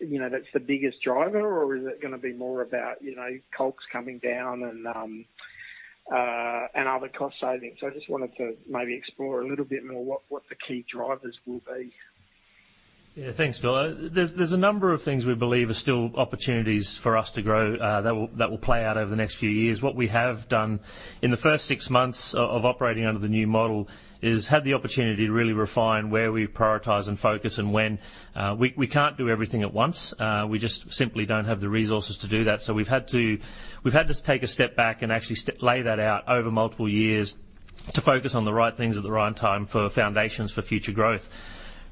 you know, that's the biggest driver? Or is it gonna be more about, you know, costs coming down and other cost savings? I just wanted to maybe explore a little bit more what the key drivers will be. Thanks, Phil. There's a number of things we believe are still opportunities for us to grow that will play out over the next few years. What we have done in the first six months of operating under the new model is had the opportunity to really refine where we prioritize and focus and when. We can't do everything at once. We just simply don't have the resources to do that. We've had to take a step back and actually lay that out over multiple years to focus on the right things at the right time for foundations for future growth.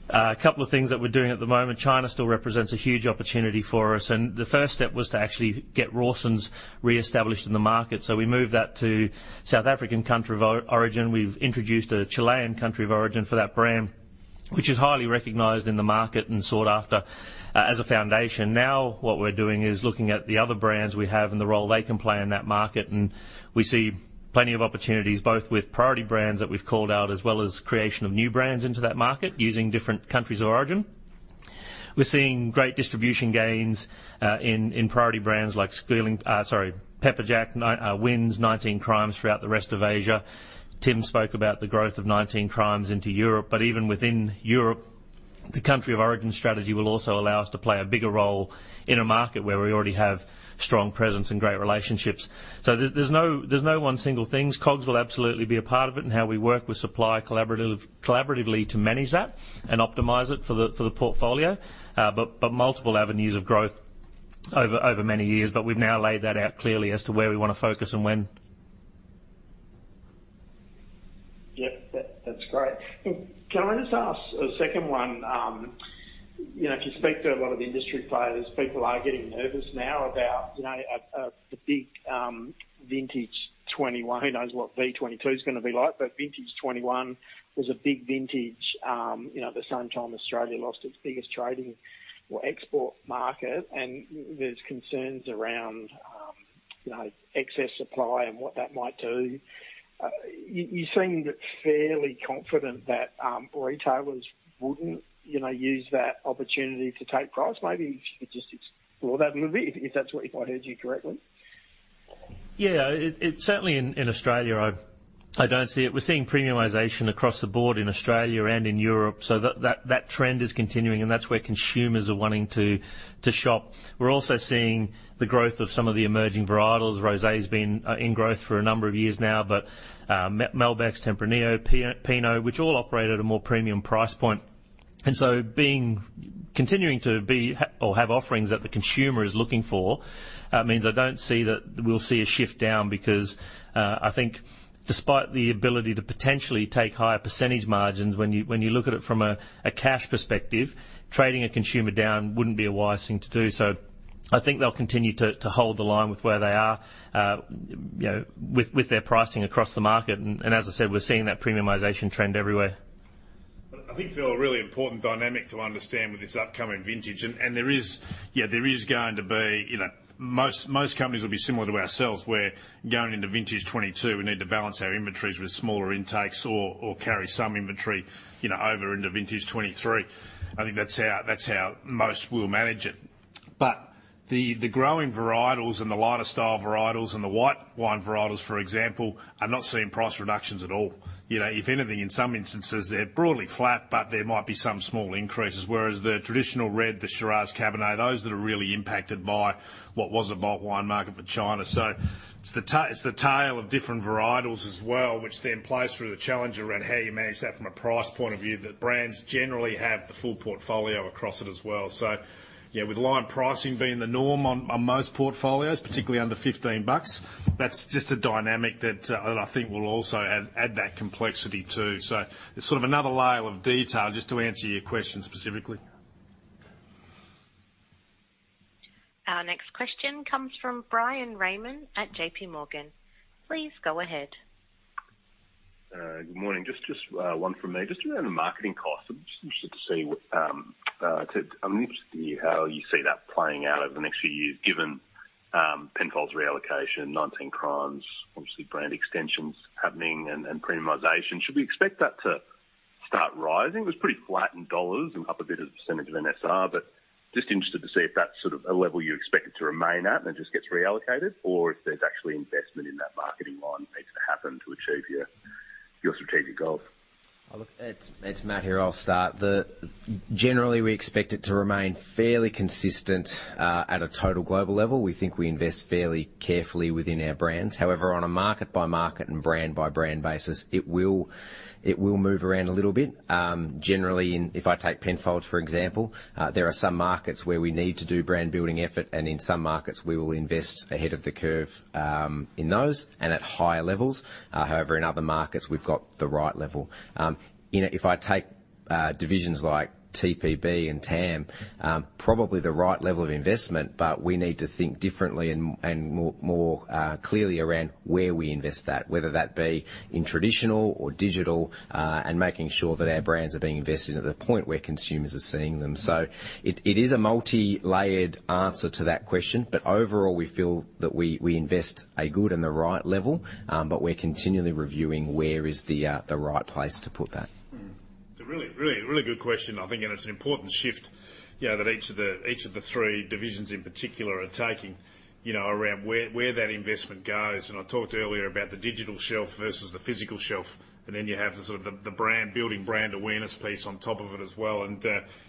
A couple of things that we're doing at the moment. China still represents a huge opportunity for us, and the first step was to actually get Rawson's reestablished in the market. We moved that to South African country of origin. We've introduced a Chilean country of origin for that brand, which is highly recognized in the market and sought after as a foundation. Now what we're doing is looking at the other brands we have and the role they can play in that market, and we see plenty of opportunities both with priority brands that we've called out as well as creation of new brands into that market using different countries of origin. We're seeing great distribution gains in priority brands like Squealing, Pepperjack, Wynns, 19 Crimes throughout the rest of Asia. Tim spoke about the growth of 19 Crimes into Europe, but even within Europe, the country of origin strategy will also allow us to play a bigger role in a market where we already have strong presence and great relationships. There's no one single thing. COGS will absolutely be a part of it and how we work with supply collaboratively to manage that and optimize it for the portfolio. But multiple avenues of growth over many years, but we've now laid that out clearly as to where we wanna focus and when. Yeah. That's great. Can I just ask a second one? You know, if you speak to a lot of the industry players, people are getting nervous now about, you know, the big vintage 2021. Who knows what vintage 2022 is gonna be like? Vintage 2021 was a big vintage. You know, at the same time Australia lost its biggest trading or export market, and there's concerns around, you know, excess supply and what that might do. You seem fairly confident that retailers wouldn't, you know, use that opportunity to take price. Maybe if you could just explore that a little bit, if that's what I heard you correctly. Yeah, it certainly in Australia, I don't see it. We're seeing premiumization across the board in Australia and in Europe. That trend is continuing, and that's where consumers are wanting to shop. We're also seeing the growth of some of the emerging varietals. Rosé has been in growth for a number of years now, but Malbec, Tempranillo, Pinot, which all operate at a more premium price point. Continuing to have offerings that the consumer is looking for means I don't see that we'll see a shift down because I think despite the ability to potentially take higher percentage margins, when you look at it from a cash perspective, trading a consumer down wouldn't be a wise thing to do. I think they'll continue to hold the line with where they are, you know, with their pricing across the market. As I said, we're seeing that premiumization trend everywhere. I think, Phil, a really important dynamic to understand with this upcoming vintage, and there is going to be, you know, most companies will be similar to ourselves, where going into vintage 2022, we need to balance our inventories with smaller intakes or carry some inventory, you know, over into vintage 2023. I think that's how most will manage it. The growing varietals and the lighter style varietals and the white wine varietals, for example, are not seeing price reductions at all. You know, if anything, in some instances, they're broadly flat, but there might be some small increases, whereas the traditional red, the Shiraz Cabernet, those that are really impacted by what was a bulk wine market for China. It's the tail of different varietals as well, which then plays through the challenge around how you manage that from a price point of view, that brands generally have the full portfolio across it as well. You know, with line pricing being the norm on most portfolios, particularly under $15, that's just a dynamic that I think will also add that complexity too. It's sort of another layer of detail, just to answer your question specifically. Our next question comes from Bryan Raymond at JPMorgan. Please go ahead. Good morning. Just one from me. Just around the marketing costs, I'm interested to hear how you see that playing out over the next few years, given Penfolds reallocation, 19 Crimes, obviously brand extensions happening and premiumization. Should we expect that to start rising? It was pretty flat in dollars and up a bit as a percentage of NSR, but just interested to see if that's sort of a level you expect it to remain at and it just gets reallocated or if there's actually investment in that marketing line that needs to happen to achieve your strategic goals. Oh, look, it's Matt here. I'll start. Generally, we expect it to remain fairly consistent at a total global level. We think we invest fairly carefully within our brands. However, on a market-by-market and brand-by-brand basis, it will move around a little bit. Generally, if I take Penfolds, for example, there are some markets where we need to do brand building effort, and in some markets, we will invest ahead of the curve, in those and at higher levels. However, in other markets we've got the right level. You know, if I take divisions like TPB and TAM, probably the right level of investment, but we need to think differently and more clearly around where we invest that, whether that be in traditional or digital, and making sure that our brands are being invested at the point where consumers are seeing them. It is a multilayered answer to that question, but overall, we feel that we invest a good and the right level, but we're continually reviewing where is the right place to put that. It's a really good question, I think, and it's an important shift, you know, that each of the three divisions in particular are taking, you know, around where that investment goes. I talked earlier about the digital shelf versus the physical shelf, and then you have the brand building brand awareness piece on top of it as well.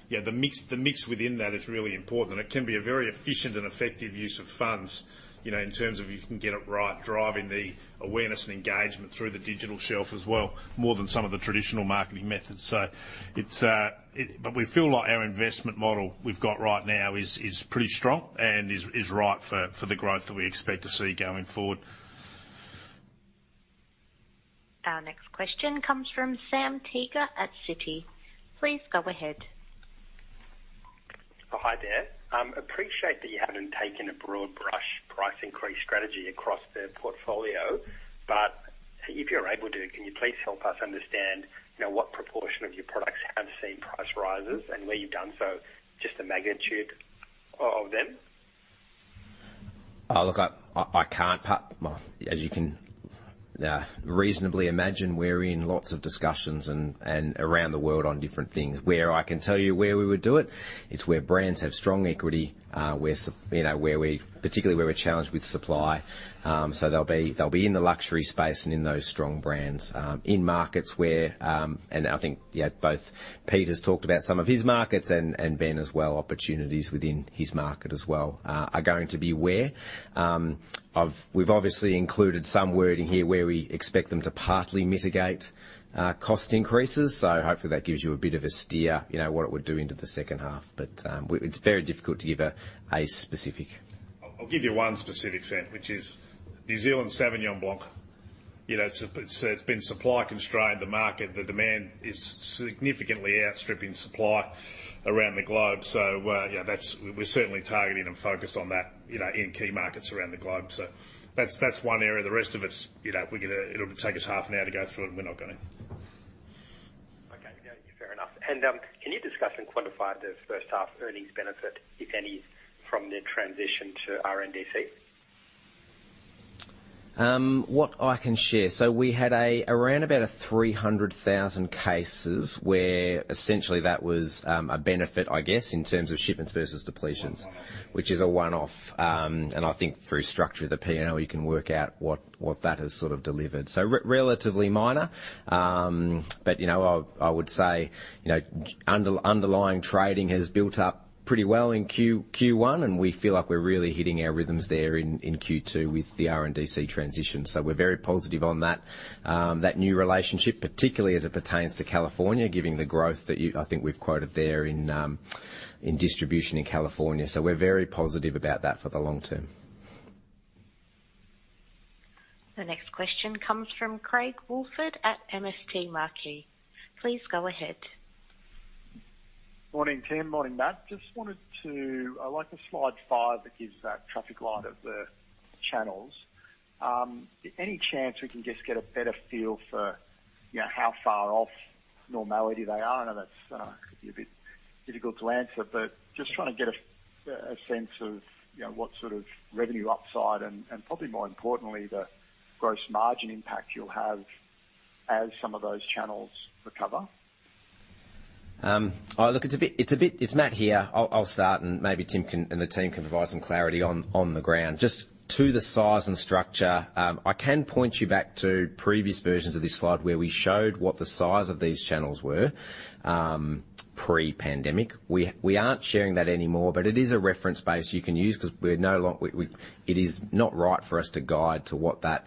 Yeah, the mix within that is really important. It can be a very efficient and effective use of funds, you know, in terms of if you can get it right, driving the awareness and engagement through the digital shelf as well, more than some of the traditional marketing methods. We feel like our investment model we've got right now is pretty strong and is right for the growth that we expect to see going forward. Our next question comes from Sam Teeger at Citi. Please go ahead. Oh, hi there. Appreciate that you haven't taken a broad brush price increase strategy across the portfolio. If you're able to, can you please help us understand, you know, what proportion of your products have seen price rises and where you've done so, just the magnitude of them? Well, as you can reasonably imagine, we're in lots of discussions and around the world on different things. What I can tell you is where we would do it's where brands have strong equity, you know, where we, particularly where we're challenged with supply. So they'll be in the luxury space and in those strong brands. In markets where, and I think, yeah, both Pete has talked about some of his markets and Ben as well, opportunities within his market as well are going to be where. We've obviously included some wording here where we expect them to partly mitigate cost increases. Hopefully, that gives you a bit of a steer, you know, what it would do into the second half. It's very difficult to give a specific. I'll give you one specific, Sam, which is New Zealand Sauvignon Blanc. You know, it's been supply constrained. The market, the demand is significantly outstripping supply around the globe. So, yeah, that's. We're certainly targeting and focused on that, you know, in key markets around the globe. So that's one area. The rest of it's, you know, we're gonna. It'll take us half an hour to go through, and we're not gonna. Okay. Yeah, fair enough. Can you discuss and quantify the first half earnings benefit, if any, from the transition to RNDC? What I can share. We had around about 300,000 cases where essentially that was a benefit, I guess, in terms of shipments versus depletions. One-off. Which is a one-off. I think through structure of the P&L, you can work out what that has sort of delivered. Relatively minor. You know, I would say, you know, underlying trading has built up pretty well in Q1, and we feel like we're really hitting our rhythms there in Q2 with the RNDC transition. We're very positive on that new relationship, particularly as it pertains to California, given the growth that I think we've quoted there in distribution in California. We're very positive about that for the long term. The next question comes from Craig Woolford at MST Marquee. Please go ahead. Morning, Tim. Morning, Matt. I like the slide five that gives that traffic light of the channels. Any chance we can just get a better feel for, you know, how far off normality they are? I know that could be a bit difficult to answer, but just trying to get a sense of, you know, what sort of revenue upside and probably more importantly, the gross margin impact you'll have as some of those channels recover. Look, it's a bit. It's Matt here. I'll start and maybe Tim can, and the team can provide some clarity on the ground. Just to the size and structure, I can point you back to previous versions of this slide where we showed what the size of these channels were, pre-pandemic. We aren't sharing that anymore, but it is a reference base you can use 'cause it is not right for us to guide to what that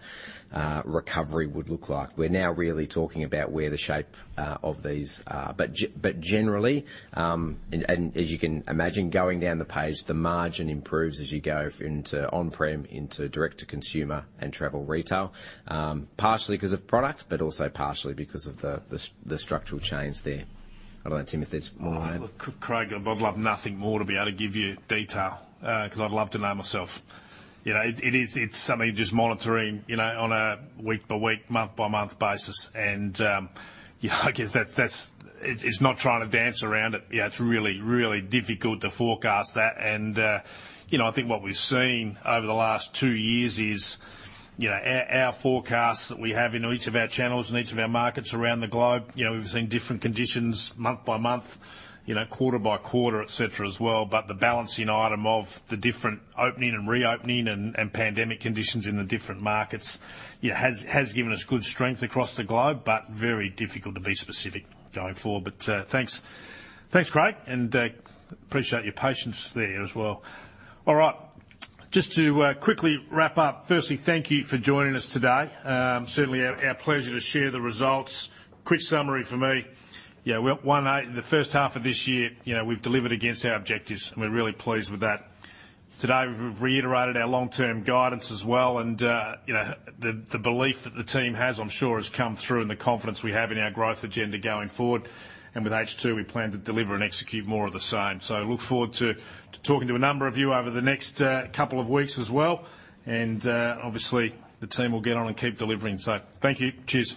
recovery would look like. We're now really talking about where the shape of these are. Generally, and as you can imagine, going down the page, the margin improves as you go into on-prem, into direct to consumer and travel retail. Partially 'cause of product, but also partially because of the structural change there. I don't know if Tim has more on that. Look, Craig, I'd love nothing more to be able to give you detail, 'cause I'd love to know myself. You know, it's something you're just monitoring, you know, on a week-by-week, month-by-month basis. You know I guess that's. It's not trying to dance around it. You know, it's really, really difficult to forecast that. You know, I think what we've seen over the last two years is, you know, our forecasts that we have in each of our channels and each of our markets around the globe, you know, we've seen different conditions month by month, you know, quarter-by-quarter, et cetera, as well. The balancing item of the different opening and reopening and pandemic conditions in the different markets, you know, has given us good strength across the globe, but very difficult to be specific going forward. Thanks. Thanks, Craig, and appreciate your patience there as well. All right. Just to quickly wrap up. Firstly, thank you for joining us today. Certainly our pleasure to share the results. Quick summary from me. You know, the first half of this year, you know, we've delivered against our objectives and we're really pleased with that. Today, we've reiterated our long-term guidance as well, and you know, the belief that the team has, I'm sure has come through in the confidence we have in our growth agenda going forward. With H2, we plan to deliver and execute more of the same. Look forward to talking to a number of you over the next couple of weeks as well. Obviously, the team will get on and keep delivering. Thank you. Cheers.